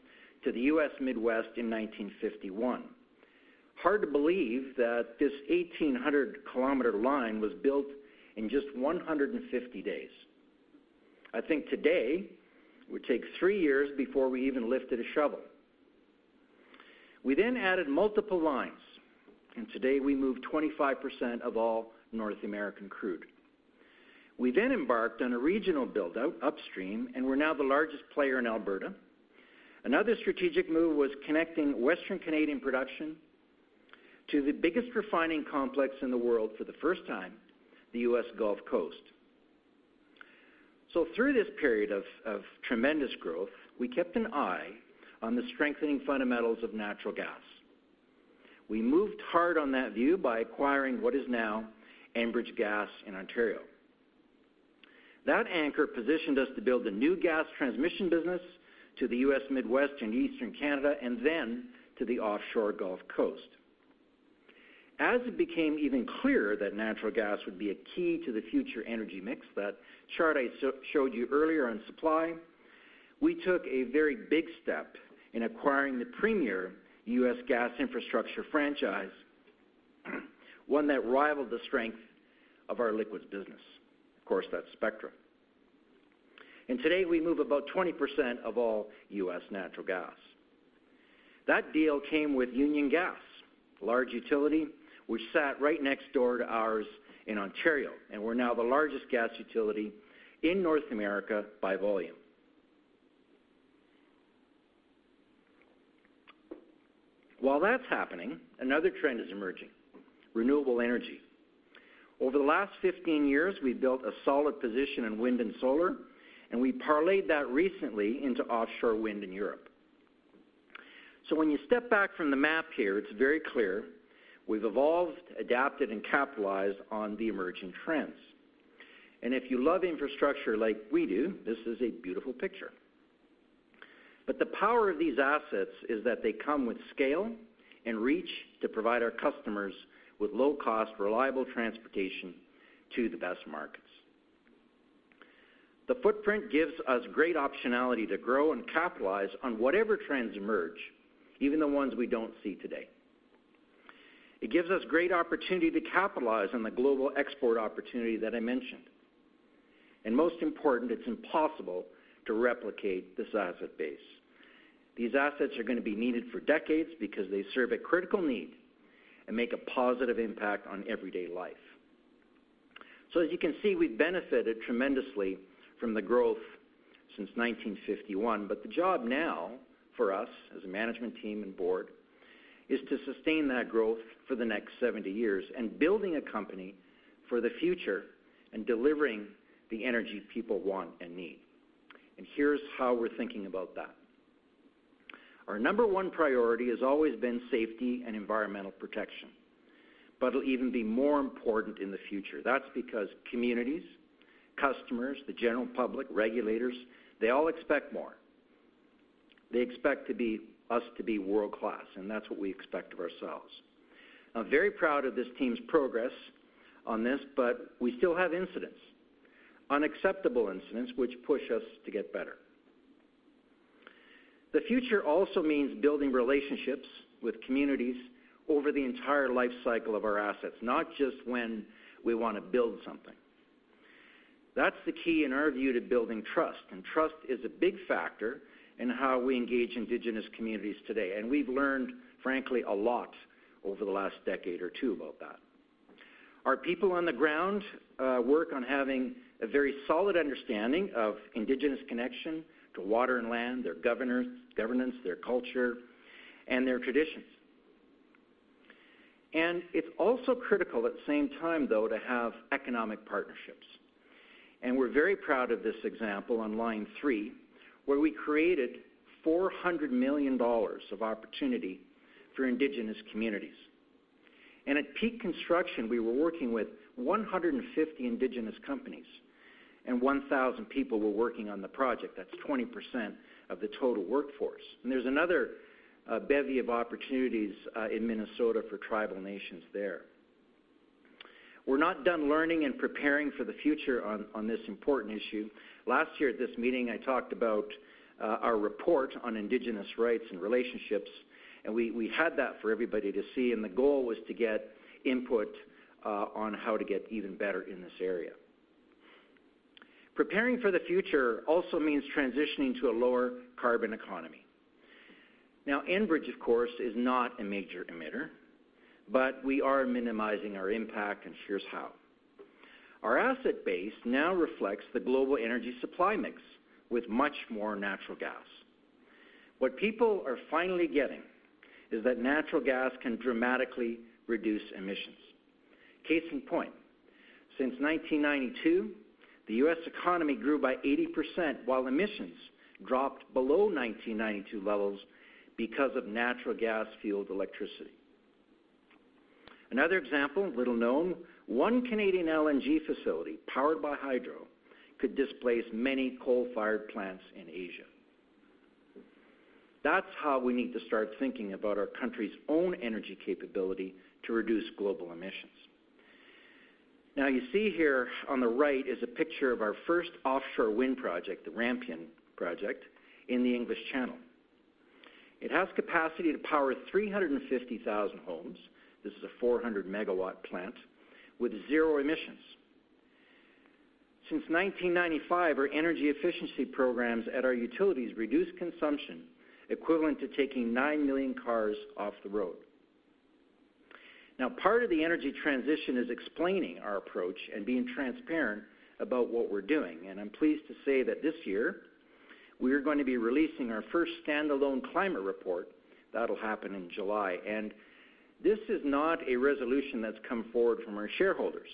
to the U.S. Midwest in 1951. Hard to believe that this 1,800-kilometer line was built in just 150 days. I think today, it would take three years before we even lifted a shovel. We added multiple lines, today we move 25% of all North American crude. We embarked on a regional build-out upstream, we're now the largest player in Alberta. Another strategic move was connecting Western Canadian production to the biggest refining complex in the world for the first time, the U.S. Gulf Coast. Through this period of tremendous growth, we kept an eye on the strengthening fundamentals of natural gas. We moved hard on that view by acquiring what is now Enbridge Gas in Ontario. That anchor positioned us to build a new gas transmission business to the U.S. Midwest and Eastern Canada, and then to the offshore Gulf Coast. As it became even clearer that natural gas would be a key to the future energy mix, that chart I showed you earlier on supply, we took a very big step in acquiring the premier U.S. gas infrastructure franchise, one that rivaled the strength of our liquids business. Of course, that's Spectra. Today, we move about 20% of all U.S. natural gas. That deal came with Union Gas, large utility, which sat right next door to ours in Ontario, and we're now the largest gas utility in North America by volume. While that's happening, another trend is emerging, renewable energy. Over the last 15 years, we've built a solid position in wind and solar, and we parlayed that recently into offshore wind in Europe. When you step back from the map here, it's very clear we've evolved, adapted, and capitalized on the emerging trends. If you love infrastructure like we do, this is a beautiful picture. The power of these assets is that they come with scale and reach to provide our customers with low-cost, reliable transportation to the best markets. The footprint gives us great optionality to grow and capitalize on whatever trends emerge, even the ones we don't see today. It gives us great opportunity to capitalize on the global export opportunity that I mentioned. Most important, it's impossible to replicate this asset base. These assets are going to be needed for decades because they serve a critical need and make a positive impact on everyday life. As you can see, we've benefited tremendously from the growth since 1951. The job now for us, as a management team and board, is to sustain that growth for the next 70 years and building a company for the future and delivering the energy people want and need. Here's how we're thinking about that. Our number one priority has always been safety and environmental protection, but it'll even be more important in the future. That's because communities, customers, the general public, regulators, they all expect more. They expect us to be world-class, and that's what we expect of ourselves. I'm very proud of this team's progress on this, but we still have incidents, unacceptable incidents, which push us to get better. The future also means building relationships with communities over the entire life cycle of our assets, not just when we want to build something. That's the key, in our view, to building trust, and trust is a big factor in how we engage indigenous communities today. We've learned, frankly, a lot over the last decade or two about that. Our people on the ground work on having a very solid understanding of indigenous connection to water and land, their governance, their culture, and their traditions. It's also critical at the same time, though, to have economic partnerships. We're very proud of this example on Line 3, where we created 400 million dollars of opportunity for indigenous communities. At peak construction, we were working with 150 indigenous companies, and 1,000 people were working on the project. That's 20% of the total workforce. There's another bevy of opportunities in Minnesota for tribal nations there. We are not done learning and preparing for the future on this important issue. Last year at this meeting, I talked about our report on indigenous rights and relationships. We had that for everybody to see. The goal was to get input on how to get even better in this area. Preparing for the future also means transitioning to a lower carbon economy. Enbridge, of course, is not a major emitter, but we are minimizing our impact, and here's how. Our asset base now reflects the global energy supply mix with much more natural gas. What people are finally getting is that natural gas can dramatically reduce emissions. Case in point, since 1992, the U.S. economy grew by 80% while emissions dropped below 1992 levels because of natural gas-fueled electricity. Another example, little known, one Canadian LNG facility powered by hydro could displace many coal-fired plants in Asia. That's how we need to start thinking about our country's own energy capability to reduce global emissions. You see here on the right is a picture of our first offshore wind project, the Rampion project, in the English Channel. It has capacity to power 350,000 homes. This is a 400-megawatt plant with zero emissions. Since 1995, our energy efficiency programs at our utilities reduced consumption equivalent to taking nine million cars off the road. Part of the energy transition is explaining our approach and being transparent about what we are doing. I am pleased to say that this year, we are going to be releasing our first standalone climate report. That will happen in July. This is not a resolution that's come forward from our shareholders,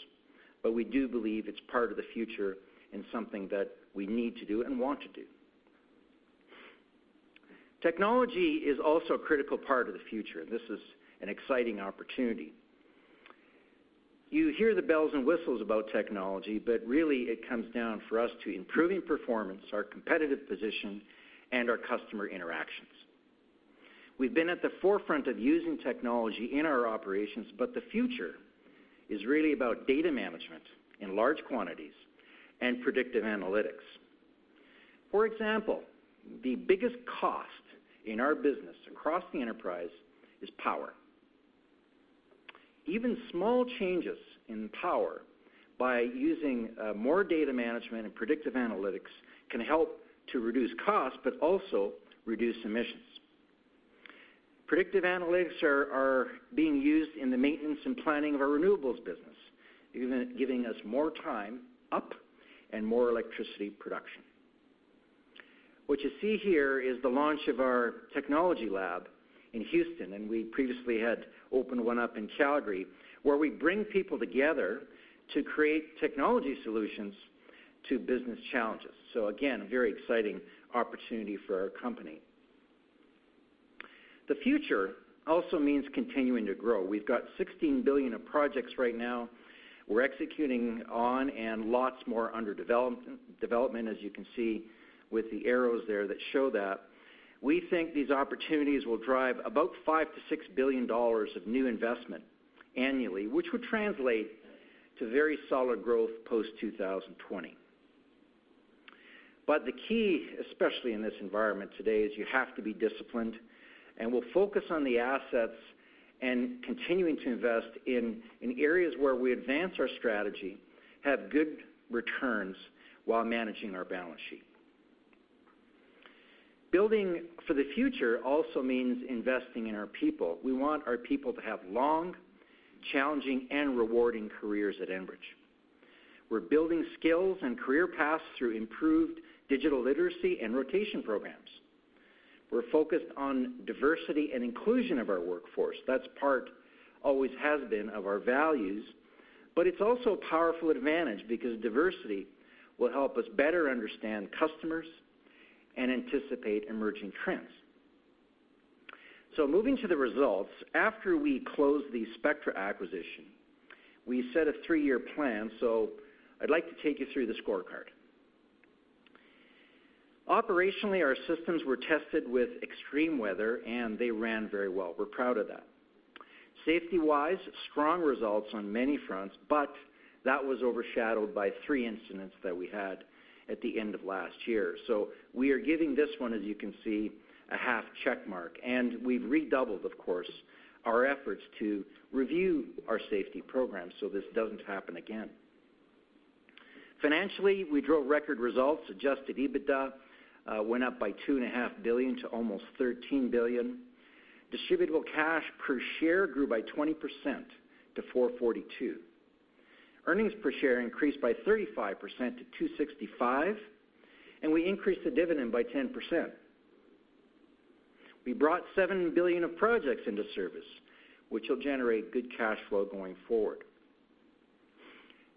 but we do believe it's part of the future and something that we need to do and want to do. Technology is also a critical part of the future. This is an exciting opportunity. You hear the bells and whistles about technology, but really it comes down for us to improving performance, our competitive position, and our customer interactions. We've been at the forefront of using technology in our operations, but the future is really about data management in large quantities and predictive analytics. For example, the biggest cost in our business across the enterprise is power. Even small changes in power by using more data management and predictive analytics can help to reduce costs but also reduce emissions. Predictive analytics are being used in the maintenance and planning of our renewables business, giving us more time up and more electricity production. What you see here is the launch of our technology lab in Houston, and we previously had opened one up in Calgary, where we bring people together to create technology solutions to business challenges. Again, a very exciting opportunity for our company. The future also means continuing to grow. We've got 16 billion of projects right now we are executing on and lots more under development, as you can see with the arrows there that show that. We think these opportunities will drive about 5 billion-6 billion dollars of new investment annually, which would translate to very solid growth post-2020. The key, especially in this environment today, is you have to be disciplined. We'll focus on the assets and continuing to invest in areas where we advance our strategy, have good returns while managing our balance sheet. Building for the future also means investing in our people. We want our people to have long, challenging, and rewarding careers at Enbridge. We're building skills and career paths through improved digital literacy and rotation programs. We're focused on diversity and inclusion of our workforce. That's part, always has been, of our values. It's also a powerful advantage because diversity will help us better understand customers and anticipate emerging trends. Moving to the results, after we closed the Spectra acquisition, we set a three-year plan. I'd like to take you through the scorecard. Operationally, our systems were tested with extreme weather, and they ran very well. We're proud of that. Safety-wise, strong results on many fronts, but that was overshadowed by three incidents that we had at the end of last year. We are giving this one, as you can see, a half check mark. We've redoubled, of course, our efforts to review our safety program so this doesn't happen again. Financially, we drove record results. Adjusted EBITDA went up by 2.5 billion to almost 13 billion. Distributable cash per share grew by 20% to 4.42. Earnings per share increased by 35% to 2.65. We increased the dividend by 10%. We brought 7 billion of projects into service, which will generate good cash flow going forward.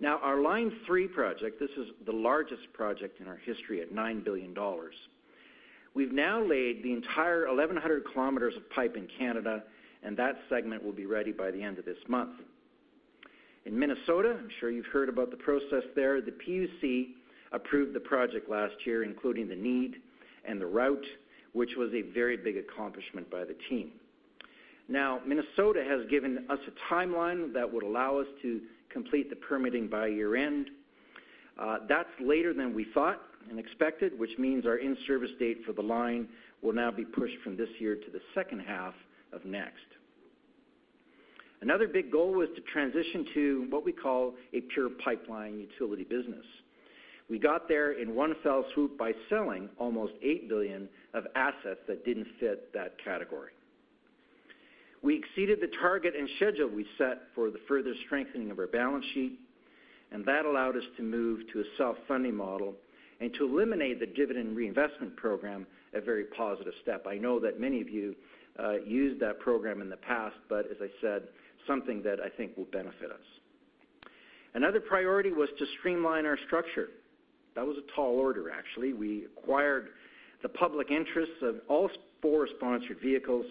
Our Line 3 project, this is the largest project in our history at 9 billion dollars. We've now laid the entire 1,100 km of pipe in Canada. That segment will be ready by the end of this month. In Minnesota, I'm sure you've heard about the process there. The PUC approved the project last year, including the need and the route, which was a very big accomplishment by the team. Minnesota has given us a timeline that would allow us to complete the permitting by year-end. That's later than we thought and expected, which means our in-service date for the line will now be pushed from this year to the second half of next. Another big goal was to transition to what we call a pure pipeline utility business. We got there in one fell swoop by selling almost 8 billion of assets that didn't fit that category. We exceeded the target and schedule we set for the further strengthening of our balance sheet. That allowed us to move to a self-funding model and to eliminate the dividend reinvestment program, a very positive step. I know that many of you used that program in the past, but as I said, something that I think will benefit us. Another priority was to streamline our structure. That was a tall order, actually. We acquired the public interests of all four sponsored vehicles,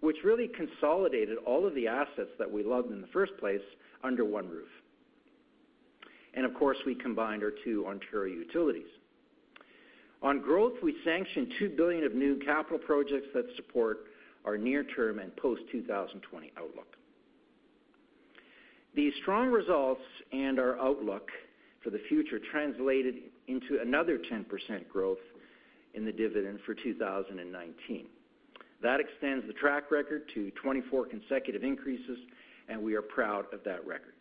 which really consolidated all of the assets that we loved in the first place under one roof. Of course, we combined our two Ontario utilities. On growth, we sanctioned 2 billion of new capital projects that support our near-term and post-2020 outlook. These strong results and our outlook for the future translated into another 10% growth in the dividend for 2019. That extends the track record to 24 consecutive increases, and we are proud of that record.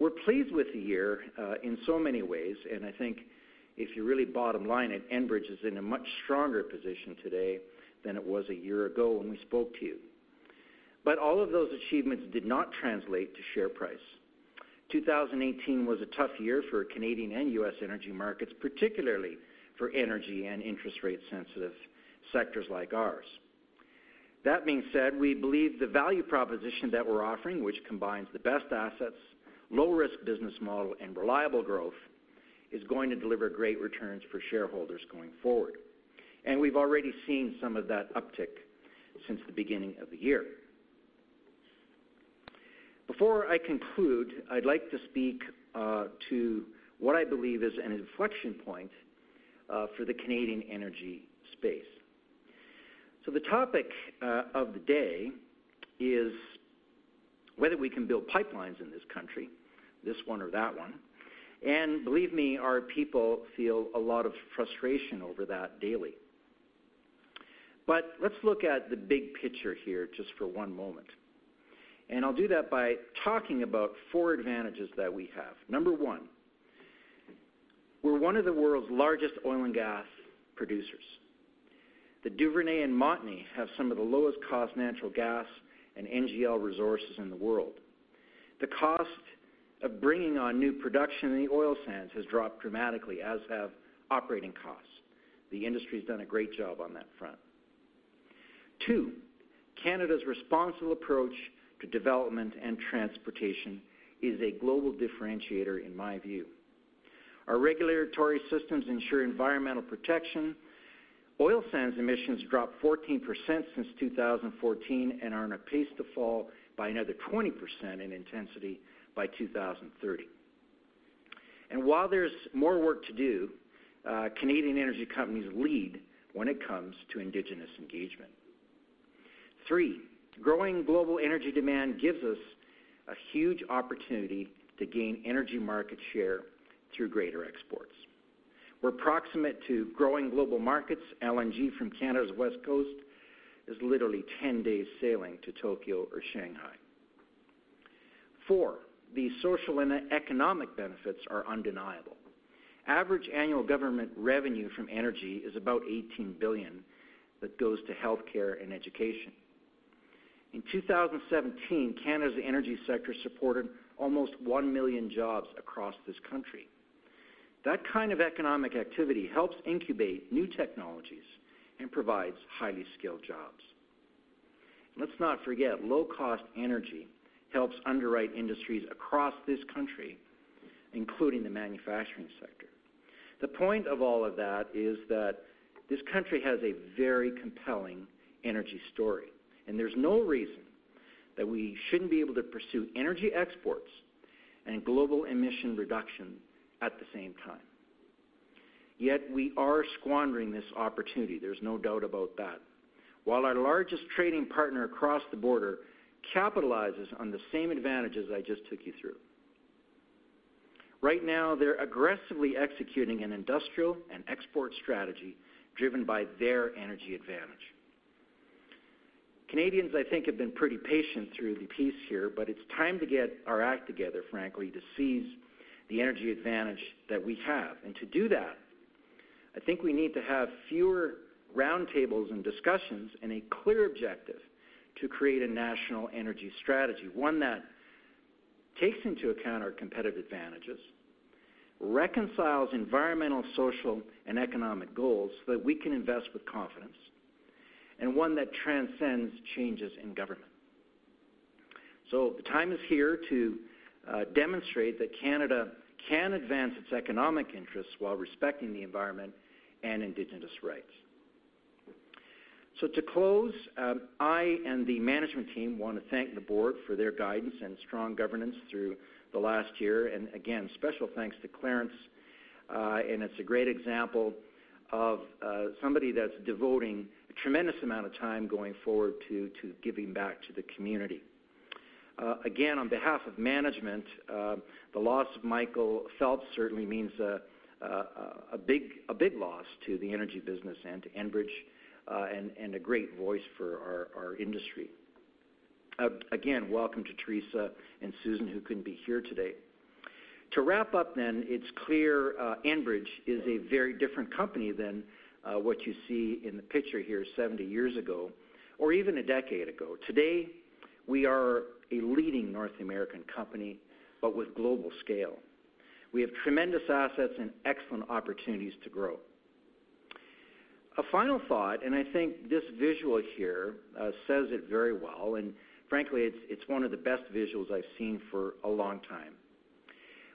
We're pleased with the year in so many ways, and I think if you really bottom line it, Enbridge is in a much stronger position today than it was a year ago when we spoke to you. All of those achievements did not translate to share price. 2018 was a tough year for Canadian and U.S. energy markets, particularly for energy and interest rate-sensitive sectors like ours. That being said, we believe the value proposition that we're offering, which combines the best assets, low-risk business model, and reliable growth, is going to deliver great returns for shareholders going forward. We've already seen some of that uptick since the beginning of the year. Before I conclude, I'd like to speak to what I believe is an inflection point for the Canadian energy space. The topic of the day is whether we can build pipelines in this country, this one or that one. Believe me, our people feel a lot of frustration over that daily. Let's look at the big picture here just for one moment. I'll do that by talking about four advantages that we have. Number one, we're one of the world's largest oil and gas producers. The Duvernay and Montney have some of the lowest-cost natural gas and NGL resources in the world. The cost of bringing on new production in the oil sands has dropped dramatically, as have operating costs. The industry's done a great job on that front. Two, Canada's responsible approach to development and transportation is a global differentiator in my view. Our regulatory systems ensure environmental protection. Oil sands emissions dropped 14% since 2014 and are on a pace to fall by another 20% in intensity by 2030. While there's more work to do, Canadian energy companies lead when it comes to indigenous engagement. Three, growing global energy demand gives us a huge opportunity to gain energy market share through greater exports. We're proximate to growing global markets. LNG from Canada's west coast is literally 10 days sailing to Tokyo or Shanghai. Four, the social and economic benefits are undeniable. Average annual government revenue from energy is about 18 billion that goes to healthcare and education. In 2017, Canada's energy sector supported almost one million jobs across this country. That kind of economic activity helps incubate new technologies and provides highly skilled jobs. Let's not forget, low-cost energy helps underwrite industries across this country, including the manufacturing sector. The point of all of that is that this country has a very compelling energy story, and there's no reason that we shouldn't be able to pursue energy exports and global emission reduction at the same time. Yet we are squandering this opportunity. There's no doubt about that. While our largest trading partner across the border capitalizes on the same advantages I just took you through. Right now, they're aggressively executing an industrial and export strategy driven by their energy advantage. Canadians, I think, have been pretty patient through the piece here, but it's time to get our act together, frankly, to seize the energy advantage that we have. To do that, I think we need to have fewer roundtables and discussions and a clear objective to create a national energy strategy, one that takes into account our competitive advantages, reconciles environmental, social, and economic goals so that we can invest with confidence, and one that transcends changes in government. The time is here to demonstrate that Canada can advance its economic interests while respecting the environment and indigenous rights. To close, I and the management team want to thank the board for their guidance and strong governance through the last year. Again, special thanks to Clarence, and it's a great example of somebody that's devoting a tremendous amount of time going forward to giving back to the community. Again, on behalf of management, the loss of Michael Phelps certainly means a big loss to the energy business and to Enbridge, and a great voice for our industry. Welcome to Teresa and Susan, who couldn't be here today. To wrap up, it's clear Enbridge is a very different company than what you see in the picture here 70 years ago, or even a decade ago. Today, we are a leading North American company, but with global scale. We have tremendous assets and excellent opportunities to grow. A final thought. I think this visual here says it very well, and frankly, it's one of the best visuals I've seen for a long time.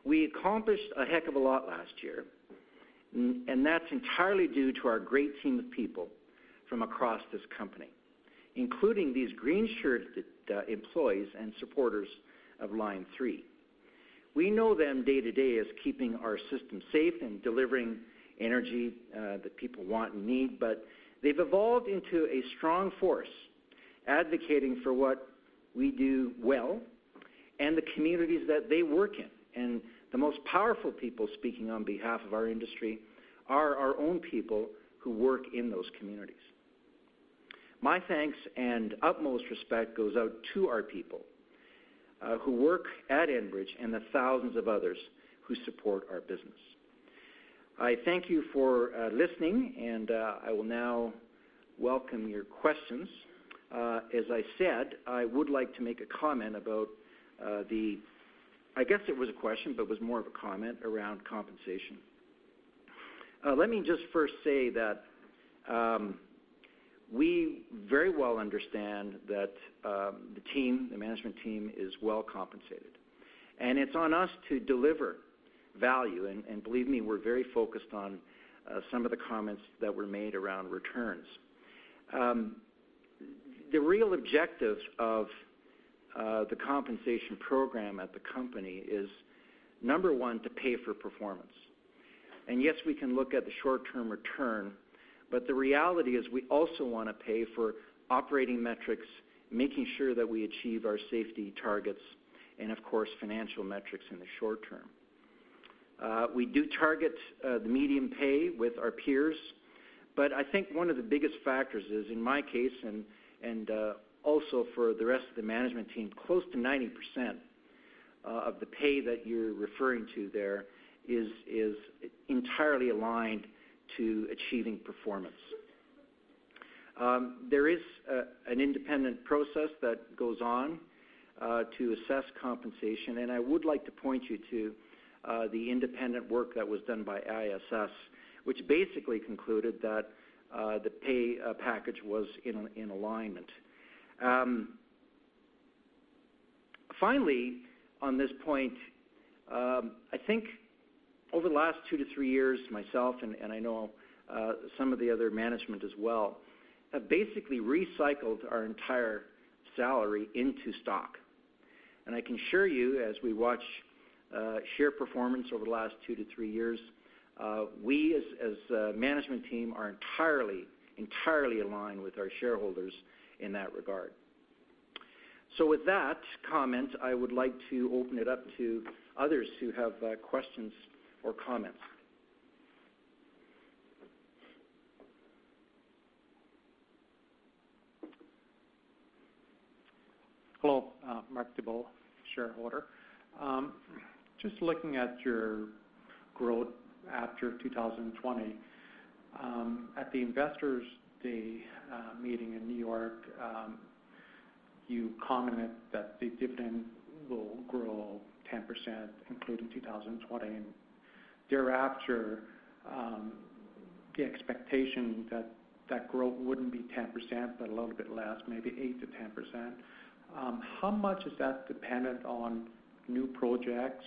We accomplished a heck of a lot last year, and that's entirely due to our great team of people from across this company, including these green-shirted employees and supporters of Line 3. We know them day-to-day as keeping our system safe and delivering energy that people want and need, but they've evolved into a strong force, advocating for what we do well and the communities that they work in. The most powerful people speaking on behalf of our industry are our own people who work in those communities. My thanks and utmost respect goes out to our people who work at Enbridge and the thousands of others who support our business. I thank you for listening, and I will now welcome your questions. As I said, I would like to make a comment about. I guess it was a question, but was more of a comment around compensation. Let me just first say that we very well understand that the management team is well compensated. It's on us to deliver value. Believe me, we're very focused on some of the comments that were made around returns. The real objectives of the compensation program at the company is, number 1, to pay for performance. Yes, we can look at the short-term return, but the reality is we also want to pay for operating metrics, making sure that we achieve our safety targets and of course, financial metrics in the short term. We do target the medium pay with our peers, but I think one of the biggest factors is, in my case and also for the rest of the management team, close to 90% of the pay that you're referring to there is entirely aligned to achieving performance. There is an independent process that goes on to assess compensation. I would like to point you to the independent work that was done by ISS, which basically concluded that the pay package was in alignment. Finally, on this point, I think over the last two to three years, myself, and I know some of the other management as well, have basically recycled our entire salary into stock. I can assure you, as we watch share performance over the last two to three years, we as a management team are entirely aligned with our shareholders in that regard. With that comment, I would like to open it up to others who have questions or comments. Hello. Mark Diebold, shareholder. Just looking at your growth after 2020. At the Investor Day meeting in New York, you commented that the dividend will grow 10%, including 2020, and thereafter, the expectation that that growth wouldn't be 10%, but a little bit less, maybe 8%-10%. How much is that dependent on new projects,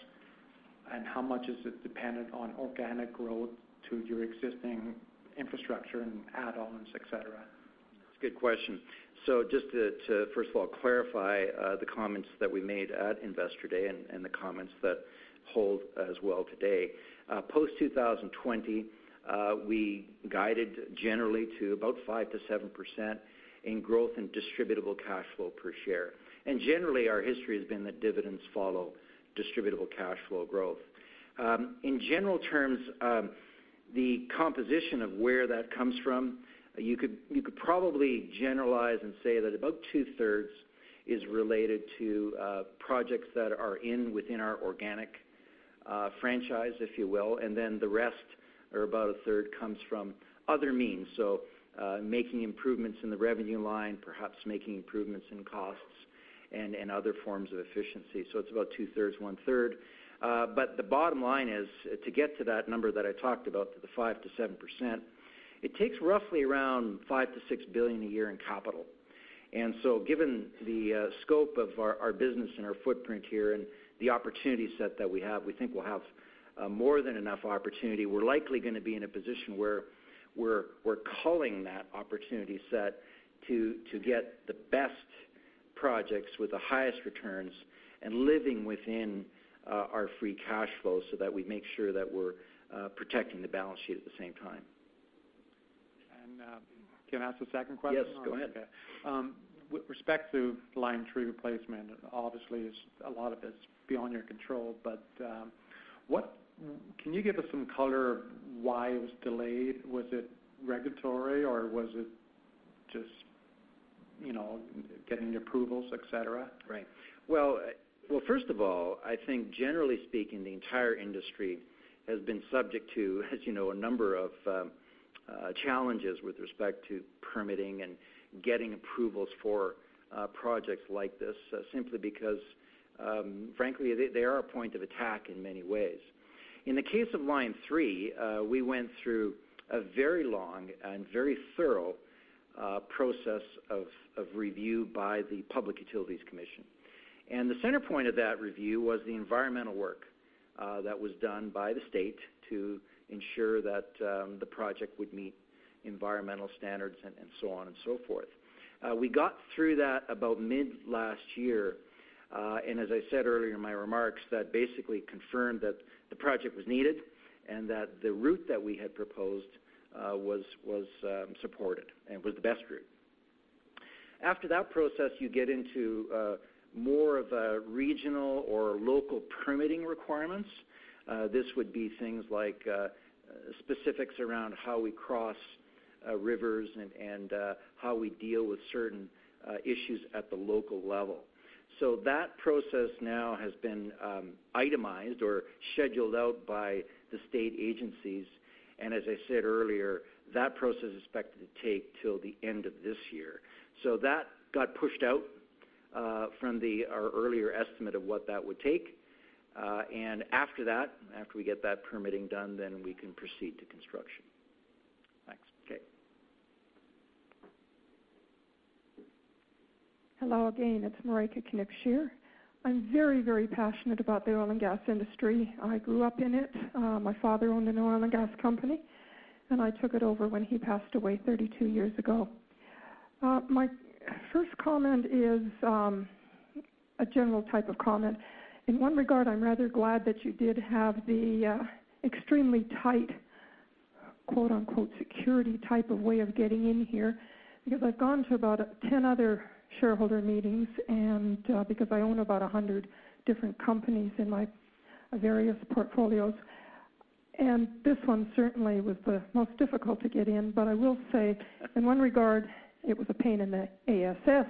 and how much is it dependent on organic growth to your existing infrastructure and add-ons, et cetera? It's a good question. Just to first of all clarify the comments that we made at Investor Day and the comments that hold as well today. Post 2020, we guided generally to about 5%-7% in growth and distributable cash flow per share. Generally, our history has been that dividends follow distributable cash flow growth. In general terms, the composition of where that comes from, you could probably generalize and say that about two-thirds is related to projects that are in within our organic franchise, if you will, and then the rest or about a third comes from other means. Making improvements in the revenue line, perhaps making improvements in costs and other forms of efficiency. It's about two-thirds, one-third. The bottom line is to get to that number that I talked about, to the 5%-7%, it takes roughly around 5 billion-6 billion a year in capital. Given the scope of our business and our footprint here and the opportunity set that we have, we think we'll have more than enough opportunity. We're likely going to be in a position where we're culling that opportunity set to get the best projects with the highest returns and living within our free cash flow so that we make sure that we're protecting the balance sheet at the same time. Can I ask a second question? Yes, go ahead. Okay. With respect to Line 3 replacement, obviously, a lot of it's beyond your control, but can you give us some color why it was delayed? Was it regulatory, or was it just getting approvals, et cetera? Right. Well, first of all, I think generally speaking, the entire industry has been subject to, as you know, a number of challenges with respect to permitting and getting approvals for projects like this, simply because, frankly, they are a point of attack in many ways. In the case of Line 3, we went through a very long and very thorough process of review by the Public Utilities Commission. The center point of that review was the environmental work that was done by the state to ensure that the project would meet environmental standards and so on and so forth. We got through that about mid last year, and as I said earlier in my remarks, that basically confirmed that the project was needed and that the route that we had proposed was supported and was the best route. After that process, you get into more of a regional or local permitting requirements. This would be things like specifics around how we cross rivers and how we deal with certain issues at the local level. That process now has been itemized or scheduled out by the state agencies. As I said earlier, that process is expected to take till the end of this year. That got pushed out from our earlier estimate of what that would take. After that, after we get that permitting done, then we can proceed to construction. Thanks. Okay. Hello again. It's Marijke Knipscheer. I'm very, very passionate about the oil and gas industry. I grew up in it. My father owned an oil and gas company, and I took it over when he passed away 32 years ago. My first comment is a general type of comment. In one regard, I'm rather glad that you did have the extremely tight, quote, unquote, "security" type of way of getting in here, because I've gone to about 10 other shareholder meetings, because I own about 100 different companies in my various portfolios, and this one certainly was the most difficult to get in. I will say, in one regard, it was a pain in the ASS,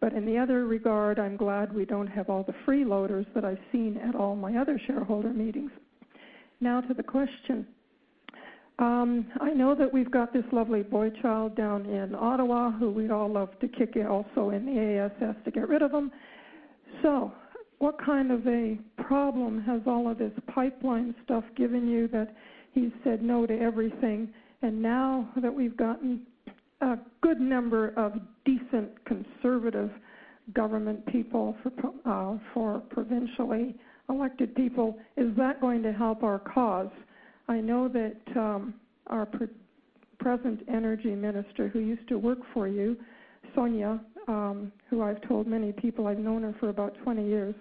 but in the other regard, I'm glad we don't have all the freeloaders that I've seen at all my other shareholder meetings. Now to the question. I know that we've got this lovely boy child down in Ottawa who we'd all love to kick also in the ASS to get rid of him. What kind of a problem has all of this pipeline stuff given you that he's said no to everything, and now that we've gotten a good number of decent conservative government people for provincially elected people, is that going to help our cause? I know that our present energy minister, who used to work for you, Sonya, who I've told many people I've known her for about 20 years,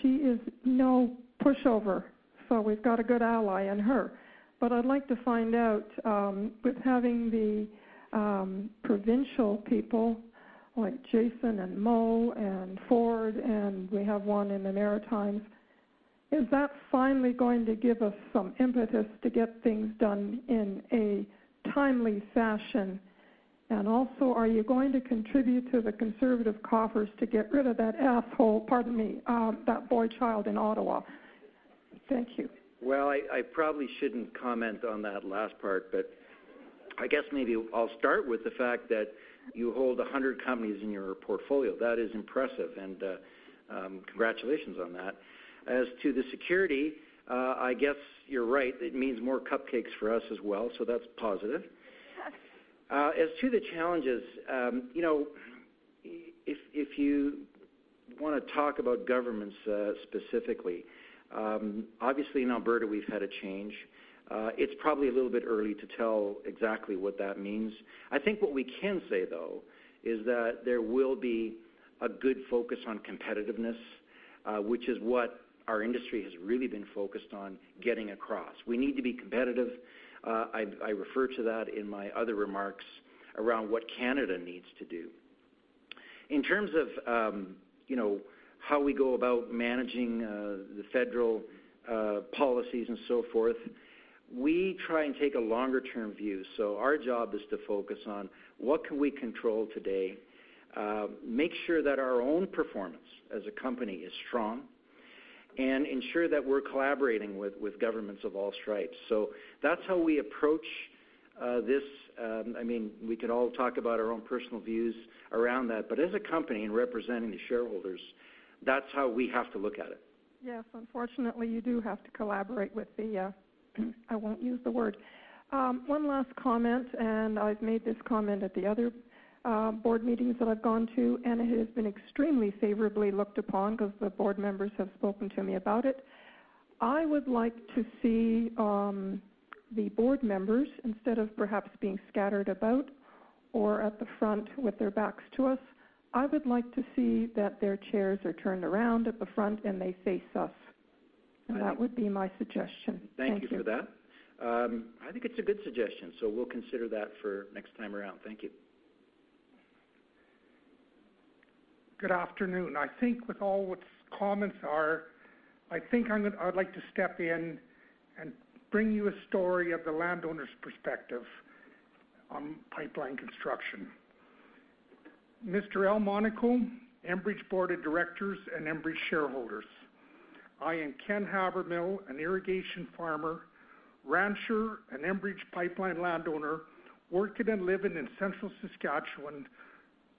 she is no pushover. We've got a good ally in her. I'd like to find out, with having the provincial people, like Jason and Mo and Ford, and we have one in the Maritimes, is that finally going to give us some impetus to get things done in a timely fashion? Also, are you going to contribute to the conservative coffers to get rid of that asshole, pardon me, that boy child in Ottawa? Thank you. Well, I probably shouldn't comment on that last part, but I guess maybe I'll start with the fact that you hold 100 companies in your portfolio. That is impressive, and congratulations on that. As to the security, I guess you're right. It means more cupcakes for us as well, so that's positive. As to the challenges, if you want to talk about governments specifically, obviously in Alberta, we've had a change. It's probably a little bit early to tell exactly what that means. I think what we can say, though, is that there will be a good focus on competitiveness, which is what our industry has really been focused on getting across. We need to be competitive. I refer to that in my other remarks around what Canada needs to do. In terms of how we go about managing the federal policies and so forth, we try and take a longer-term view. Our job is to focus on what can we control today, make sure that our own performance as a company is strong, and ensure that we're collaborating with governments of all stripes. That's how we approach this. We could all talk about our own personal views around that, but as a company and representing the shareholders, that's how we have to look at it. Yes, unfortunately, you do have to collaborate with the I won't use the word. One last comment, and I've made this comment at the other board meetings that I've gone to, and it has been extremely favorably looked upon because the board members have spoken to me about it. I would like to see the board members, instead of perhaps being scattered about or at the front with their backs to us, I would like to see that their chairs are turned around at the front and they face us. That would be my suggestion. Thank you. Thank you for that. I think it's a good suggestion, so we'll consider that for next time around. Thank you. Good afternoon. I think with all which comments are, I think I'd like to step in and bring you a story of the landowner's perspective on pipeline construction. Mr. Al Monaco, Enbridge board of directors and Enbridge shareholders, I am Ken Habermehl, an irrigation farmer, rancher, an Enbridge pipeline landowner, working and living in central Saskatchewan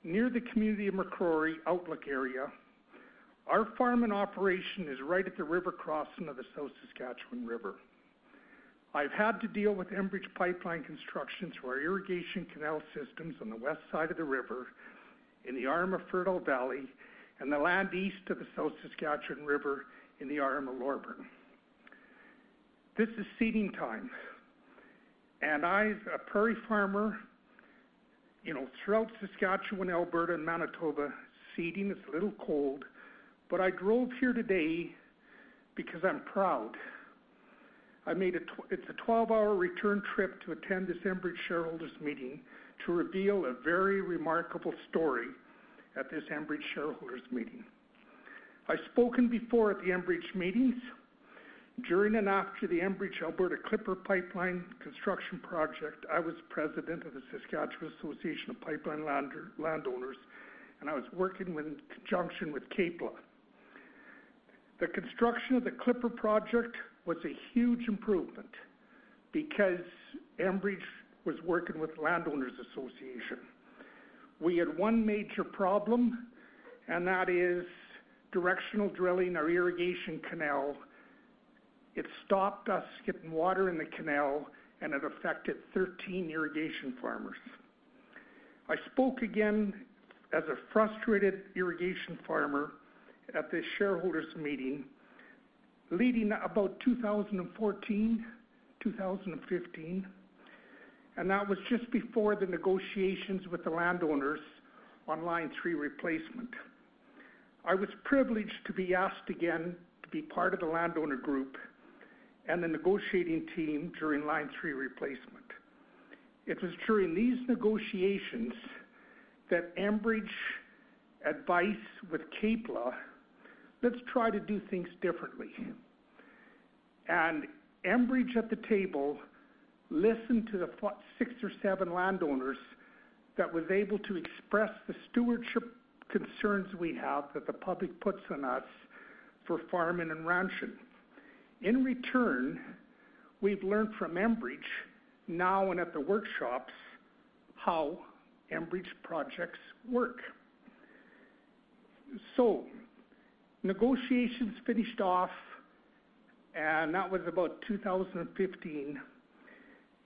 near the community of Macrorie, Outlook area. Our farm and operation is right at the river crossing of the South Saskatchewan River. I've had to deal with Enbridge pipeline construction through our irrigation canal systems on the west side of the river, in the arm of Fertile Valley, and the land east of the South Saskatchewan River in the arm of Loreburn. This is seeding time, and I, as a prairie farmer throughout Saskatchewan, Alberta, and Manitoba, seeding is a little cold, but I drove here today because I'm proud. It's a 12-hour return trip to attend this Enbridge shareholders' meeting to reveal a very remarkable story at this Enbridge shareholders' meeting. I've spoken before at the Enbridge meetings. During and after the Enbridge Alberta Clipper Pipeline construction project, I was president of the Saskatchewan Association of Pipeline Landowners, and I was working in conjunction with CAPLA. The construction of the Clipper project was a huge improvement because Enbridge was working with landowners association. We had one major problem, and that is directional drilling our irrigation canal. It stopped us getting water in the canal, and it affected 13 irrigation farmers. I spoke again as a frustrated irrigation farmer at the shareholders meeting leading about 2014, 2015, and that was just before the negotiations with the landowners on Line 3 replacement. I was privileged to be asked again to be part of the landowner group and the negotiating team during Line 3 replacement. It was during these negotiations that Enbridge advised with CAPLA, let's try to do things differently. Enbridge at the table listened to the six or seven landowners that was able to express the stewardship concerns we have that the public puts on us for farming and ranching. In return, we've learned from Enbridge now and at the workshops how Enbridge projects work. So negotiations finished off, and that was about 2015.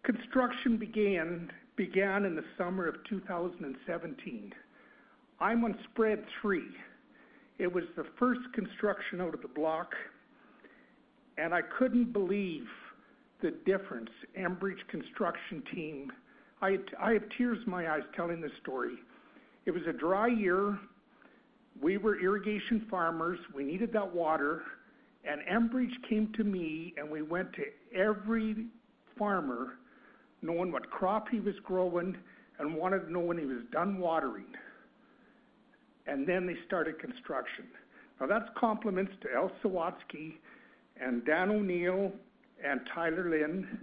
Construction began in the summer of 2017. I'm on spread three. It was the first construction out of the block, and I couldn't believe the difference. Enbridge construction team I have tears in my eyes telling this story. It was a dry year. We were irrigation farmers. We needed that water, and Enbridge came to me, and we went to every farmer knowing what crop he was growing and wanted to know when he was done watering, and then they started construction. Now, that's compliments to Al Sawatzky and Dan O'Neil and Tyler Lynn.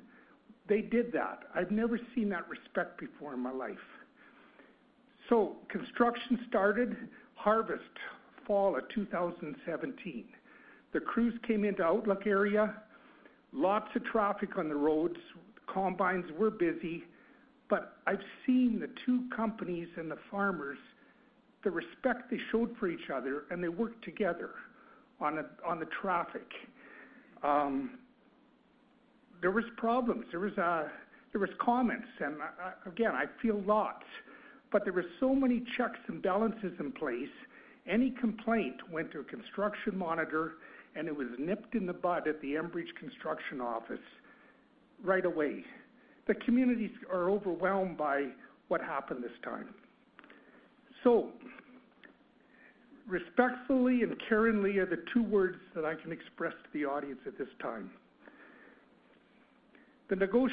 They did that. I've never seen that respect before in my life. Construction started harvest fall of 2017. The crews came into Outlook area, lots of traffic on the roads, combines were busy, but I've seen the two companies and the farmers, the respect they showed for each other, and they worked together on the traffic. There was problems, there was comments, and again, I feel lots. But there were so many checks and balances in place. Any complaint went to a construction monitor, and it was nipped in the bud at the Enbridge construction office right away. The communities are overwhelmed by what happened this time. Respectfully and caringly are the two words that I can express to the audience at this time. As a farmer,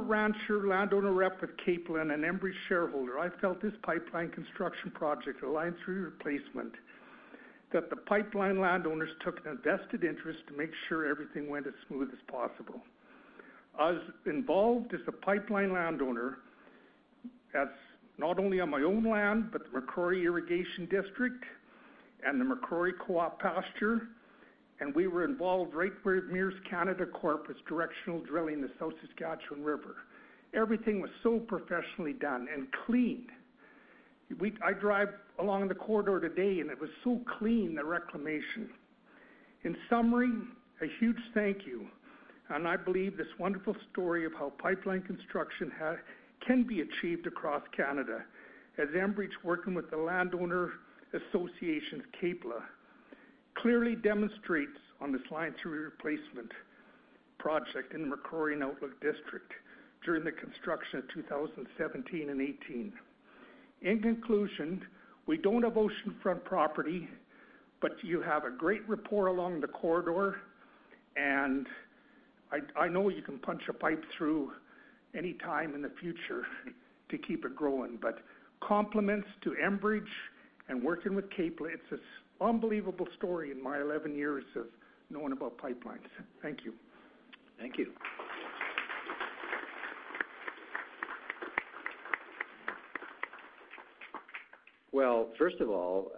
rancher, landowner rep with CAPLA and an Enbridge shareholder, I felt this pipeline construction project, a Line 3 replacement, that the pipeline landowners took a vested interest to make sure everything went as smooth as possible. I was involved as a pipeline landowner, as not only on my own land, but the Macrorie Irrigation District and the Macrorie Co-op Pasture, and we were involved right where Mears Canada Corp. was directional drilling the South Saskatchewan River. Everything was so professionally done and cleaned. I drive along the corridor today, and it was so clean, the reclamation. In summary, a huge thank you, and I believe this wonderful story of how pipeline construction can be achieved across Canada as Enbridge working with the Landowner Association, CAPLA. Clearly demonstrates on this Line 3 replacement project in the Macrorie and Outlook district during the construction of 2017 and '18. In conclusion, we don't have oceanfront property, but you have a great rapport along the corridor, and I know you can punch a pipe through any time in the future to keep it growing. Compliments to Enbridge and working with CAPLA. It's an unbelievable story in my 11 years of knowing about pipelines. Thank you. Thank you. Well, first of all,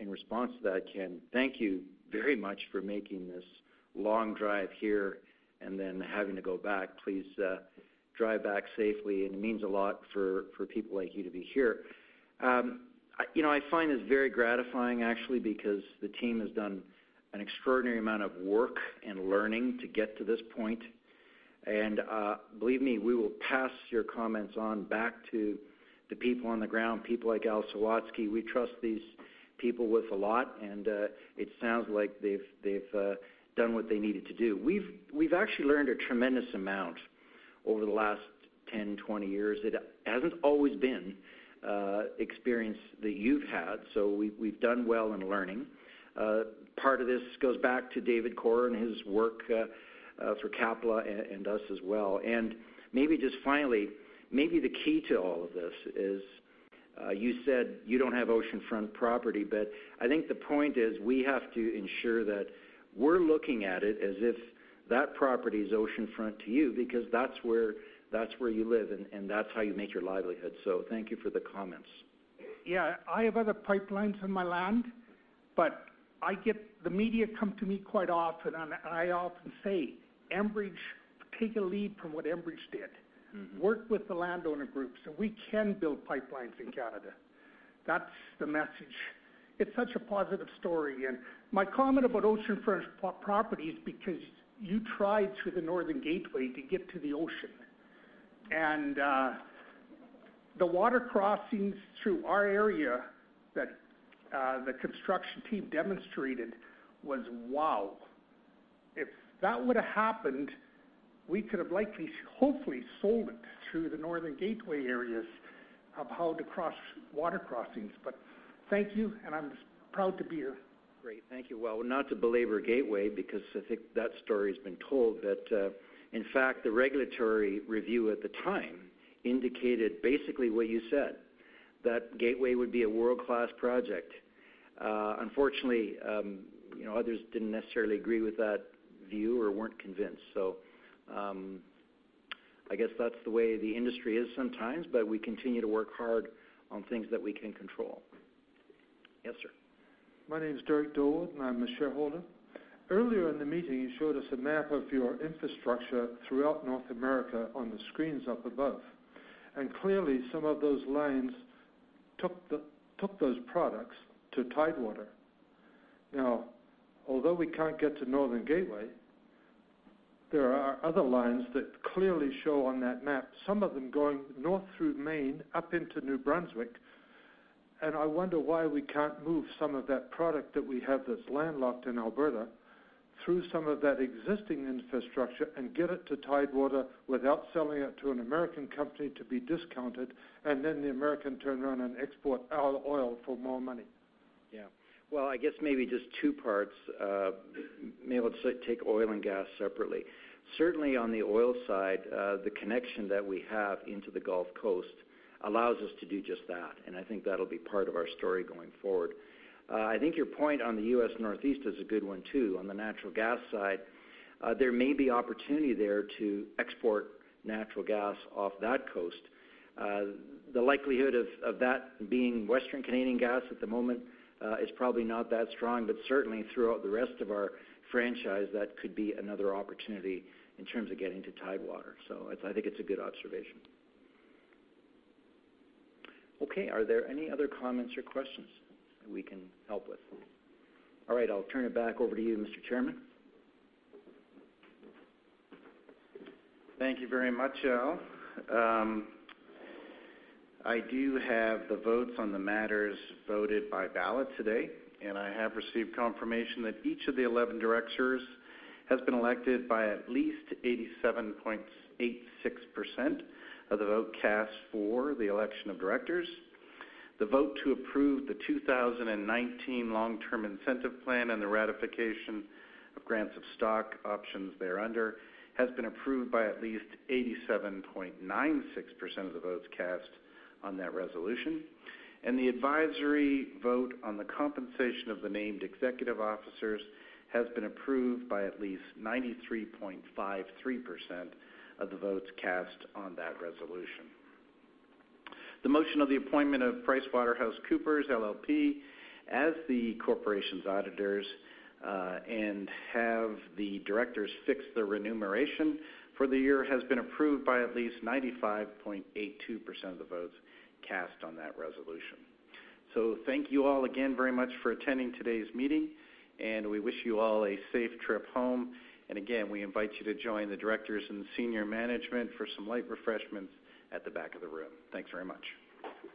in response to that, Ken, thank you very much for making this long drive here and then having to go back. Please drive back safely. It means a lot for people like you to be here. I find this very gratifying actually, because the team has done an extraordinary amount of work and learning to get to this point. Believe me, we will pass your comments on back to the people on the ground, people like Al Sawatzky. We trust these people with a lot, and it sounds like they've done what they needed to do. We've actually learned a tremendous amount over the last 10, 20 years. It hasn't always been the experience that you've had, so we've done well in learning. Part of this goes back to David Core and his work for CAPLA and us as well. Maybe just finally, maybe the key to all of this is, you said you don't have oceanfront property, but I think the point is we have to ensure that we're looking at it as if that property is oceanfront to you because that's where you live and that's how you make your livelihood. Thank you for the comments. I have other pipelines on my land, but the media come to me quite often and I often say, "Take a lead from what Enbridge did. Work with the landowner groups so we can build pipelines in Canada." That's the message. It's such a positive story. My comment about oceanfront property is because you tried through the Northern Gateway to get to the ocean. The water crossings through our area that the construction team demonstrated was wow. If that would've happened, we could have likely, hopefully, sold it through the Northern Gateway areas of how to cross water crossings. Thank you, and I'm proud to be here. Great. Thank you. Not to belabor Gateway because I think that story's been told that, in fact, the regulatory review at the time indicated basically what you said, that Gateway would be a world-class project. Unfortunately, others didn't necessarily agree with that view or weren't convinced. I guess that's the way the industry is sometimes, but we continue to work hard on things that we can control. Yes, sir. My name is Derek Doul, and I'm a shareholder. Earlier in the meeting, you showed us a map of your infrastructure throughout North America on the screens up above. Clearly, some of those lines took those products to Tidewater. Now, although we can't get to Northern Gateway, there are other lines that clearly show on that map, some of them going north through Maine, up into New Brunswick, and I wonder why we can't move some of that product that we have that's landlocked in Alberta through some of that existing infrastructure and get it to Tidewater without selling it to an American company to be discounted, and then the American turn around and export our oil for more money. I guess maybe just two parts. Maybe let's take oil and gas separately. Certainly, on the oil side, the connection that we have into the Gulf Coast allows us to do just that, and I think that'll be part of our story going forward. I think your point on the U.S. Northeast is a good one, too. On the natural gas side, there may be opportunity there to export natural gas off that coast. The likelihood of that being Western Canadian gas at the moment is probably not that strong, but certainly, throughout the rest of our franchise, that could be another opportunity in terms of getting to Tidewater. I think it's a good observation. Okay. Are there any other comments or questions that we can help with? All right. I'll turn it back over to you, Mr. Chairman. Thank you very much, Al. I do have the votes on the matters voted by ballot today, and I have received confirmation that each of the 11 directors has been elected by at least 87.86% of the vote cast for the election of directors. The vote to approve the 2019 long-term incentive plan and the ratification of grants of stock options thereunder has been approved by at least 87.96% of the votes cast on that resolution. The advisory vote on the compensation of the named executive officers has been approved by at least 93.53% of the votes cast on that resolution. The motion of the appointment of PricewaterhouseCoopers LLP as the corporation's auditors, and have the directors fix the remuneration for the year, has been approved by at least 95.82% of the votes cast on that resolution. Thank you all again very much for attending today's meeting, and we wish you all a safe trip home. Again, we invite you to join the directors and senior management for some light refreshments at the back of the room. Thanks very much.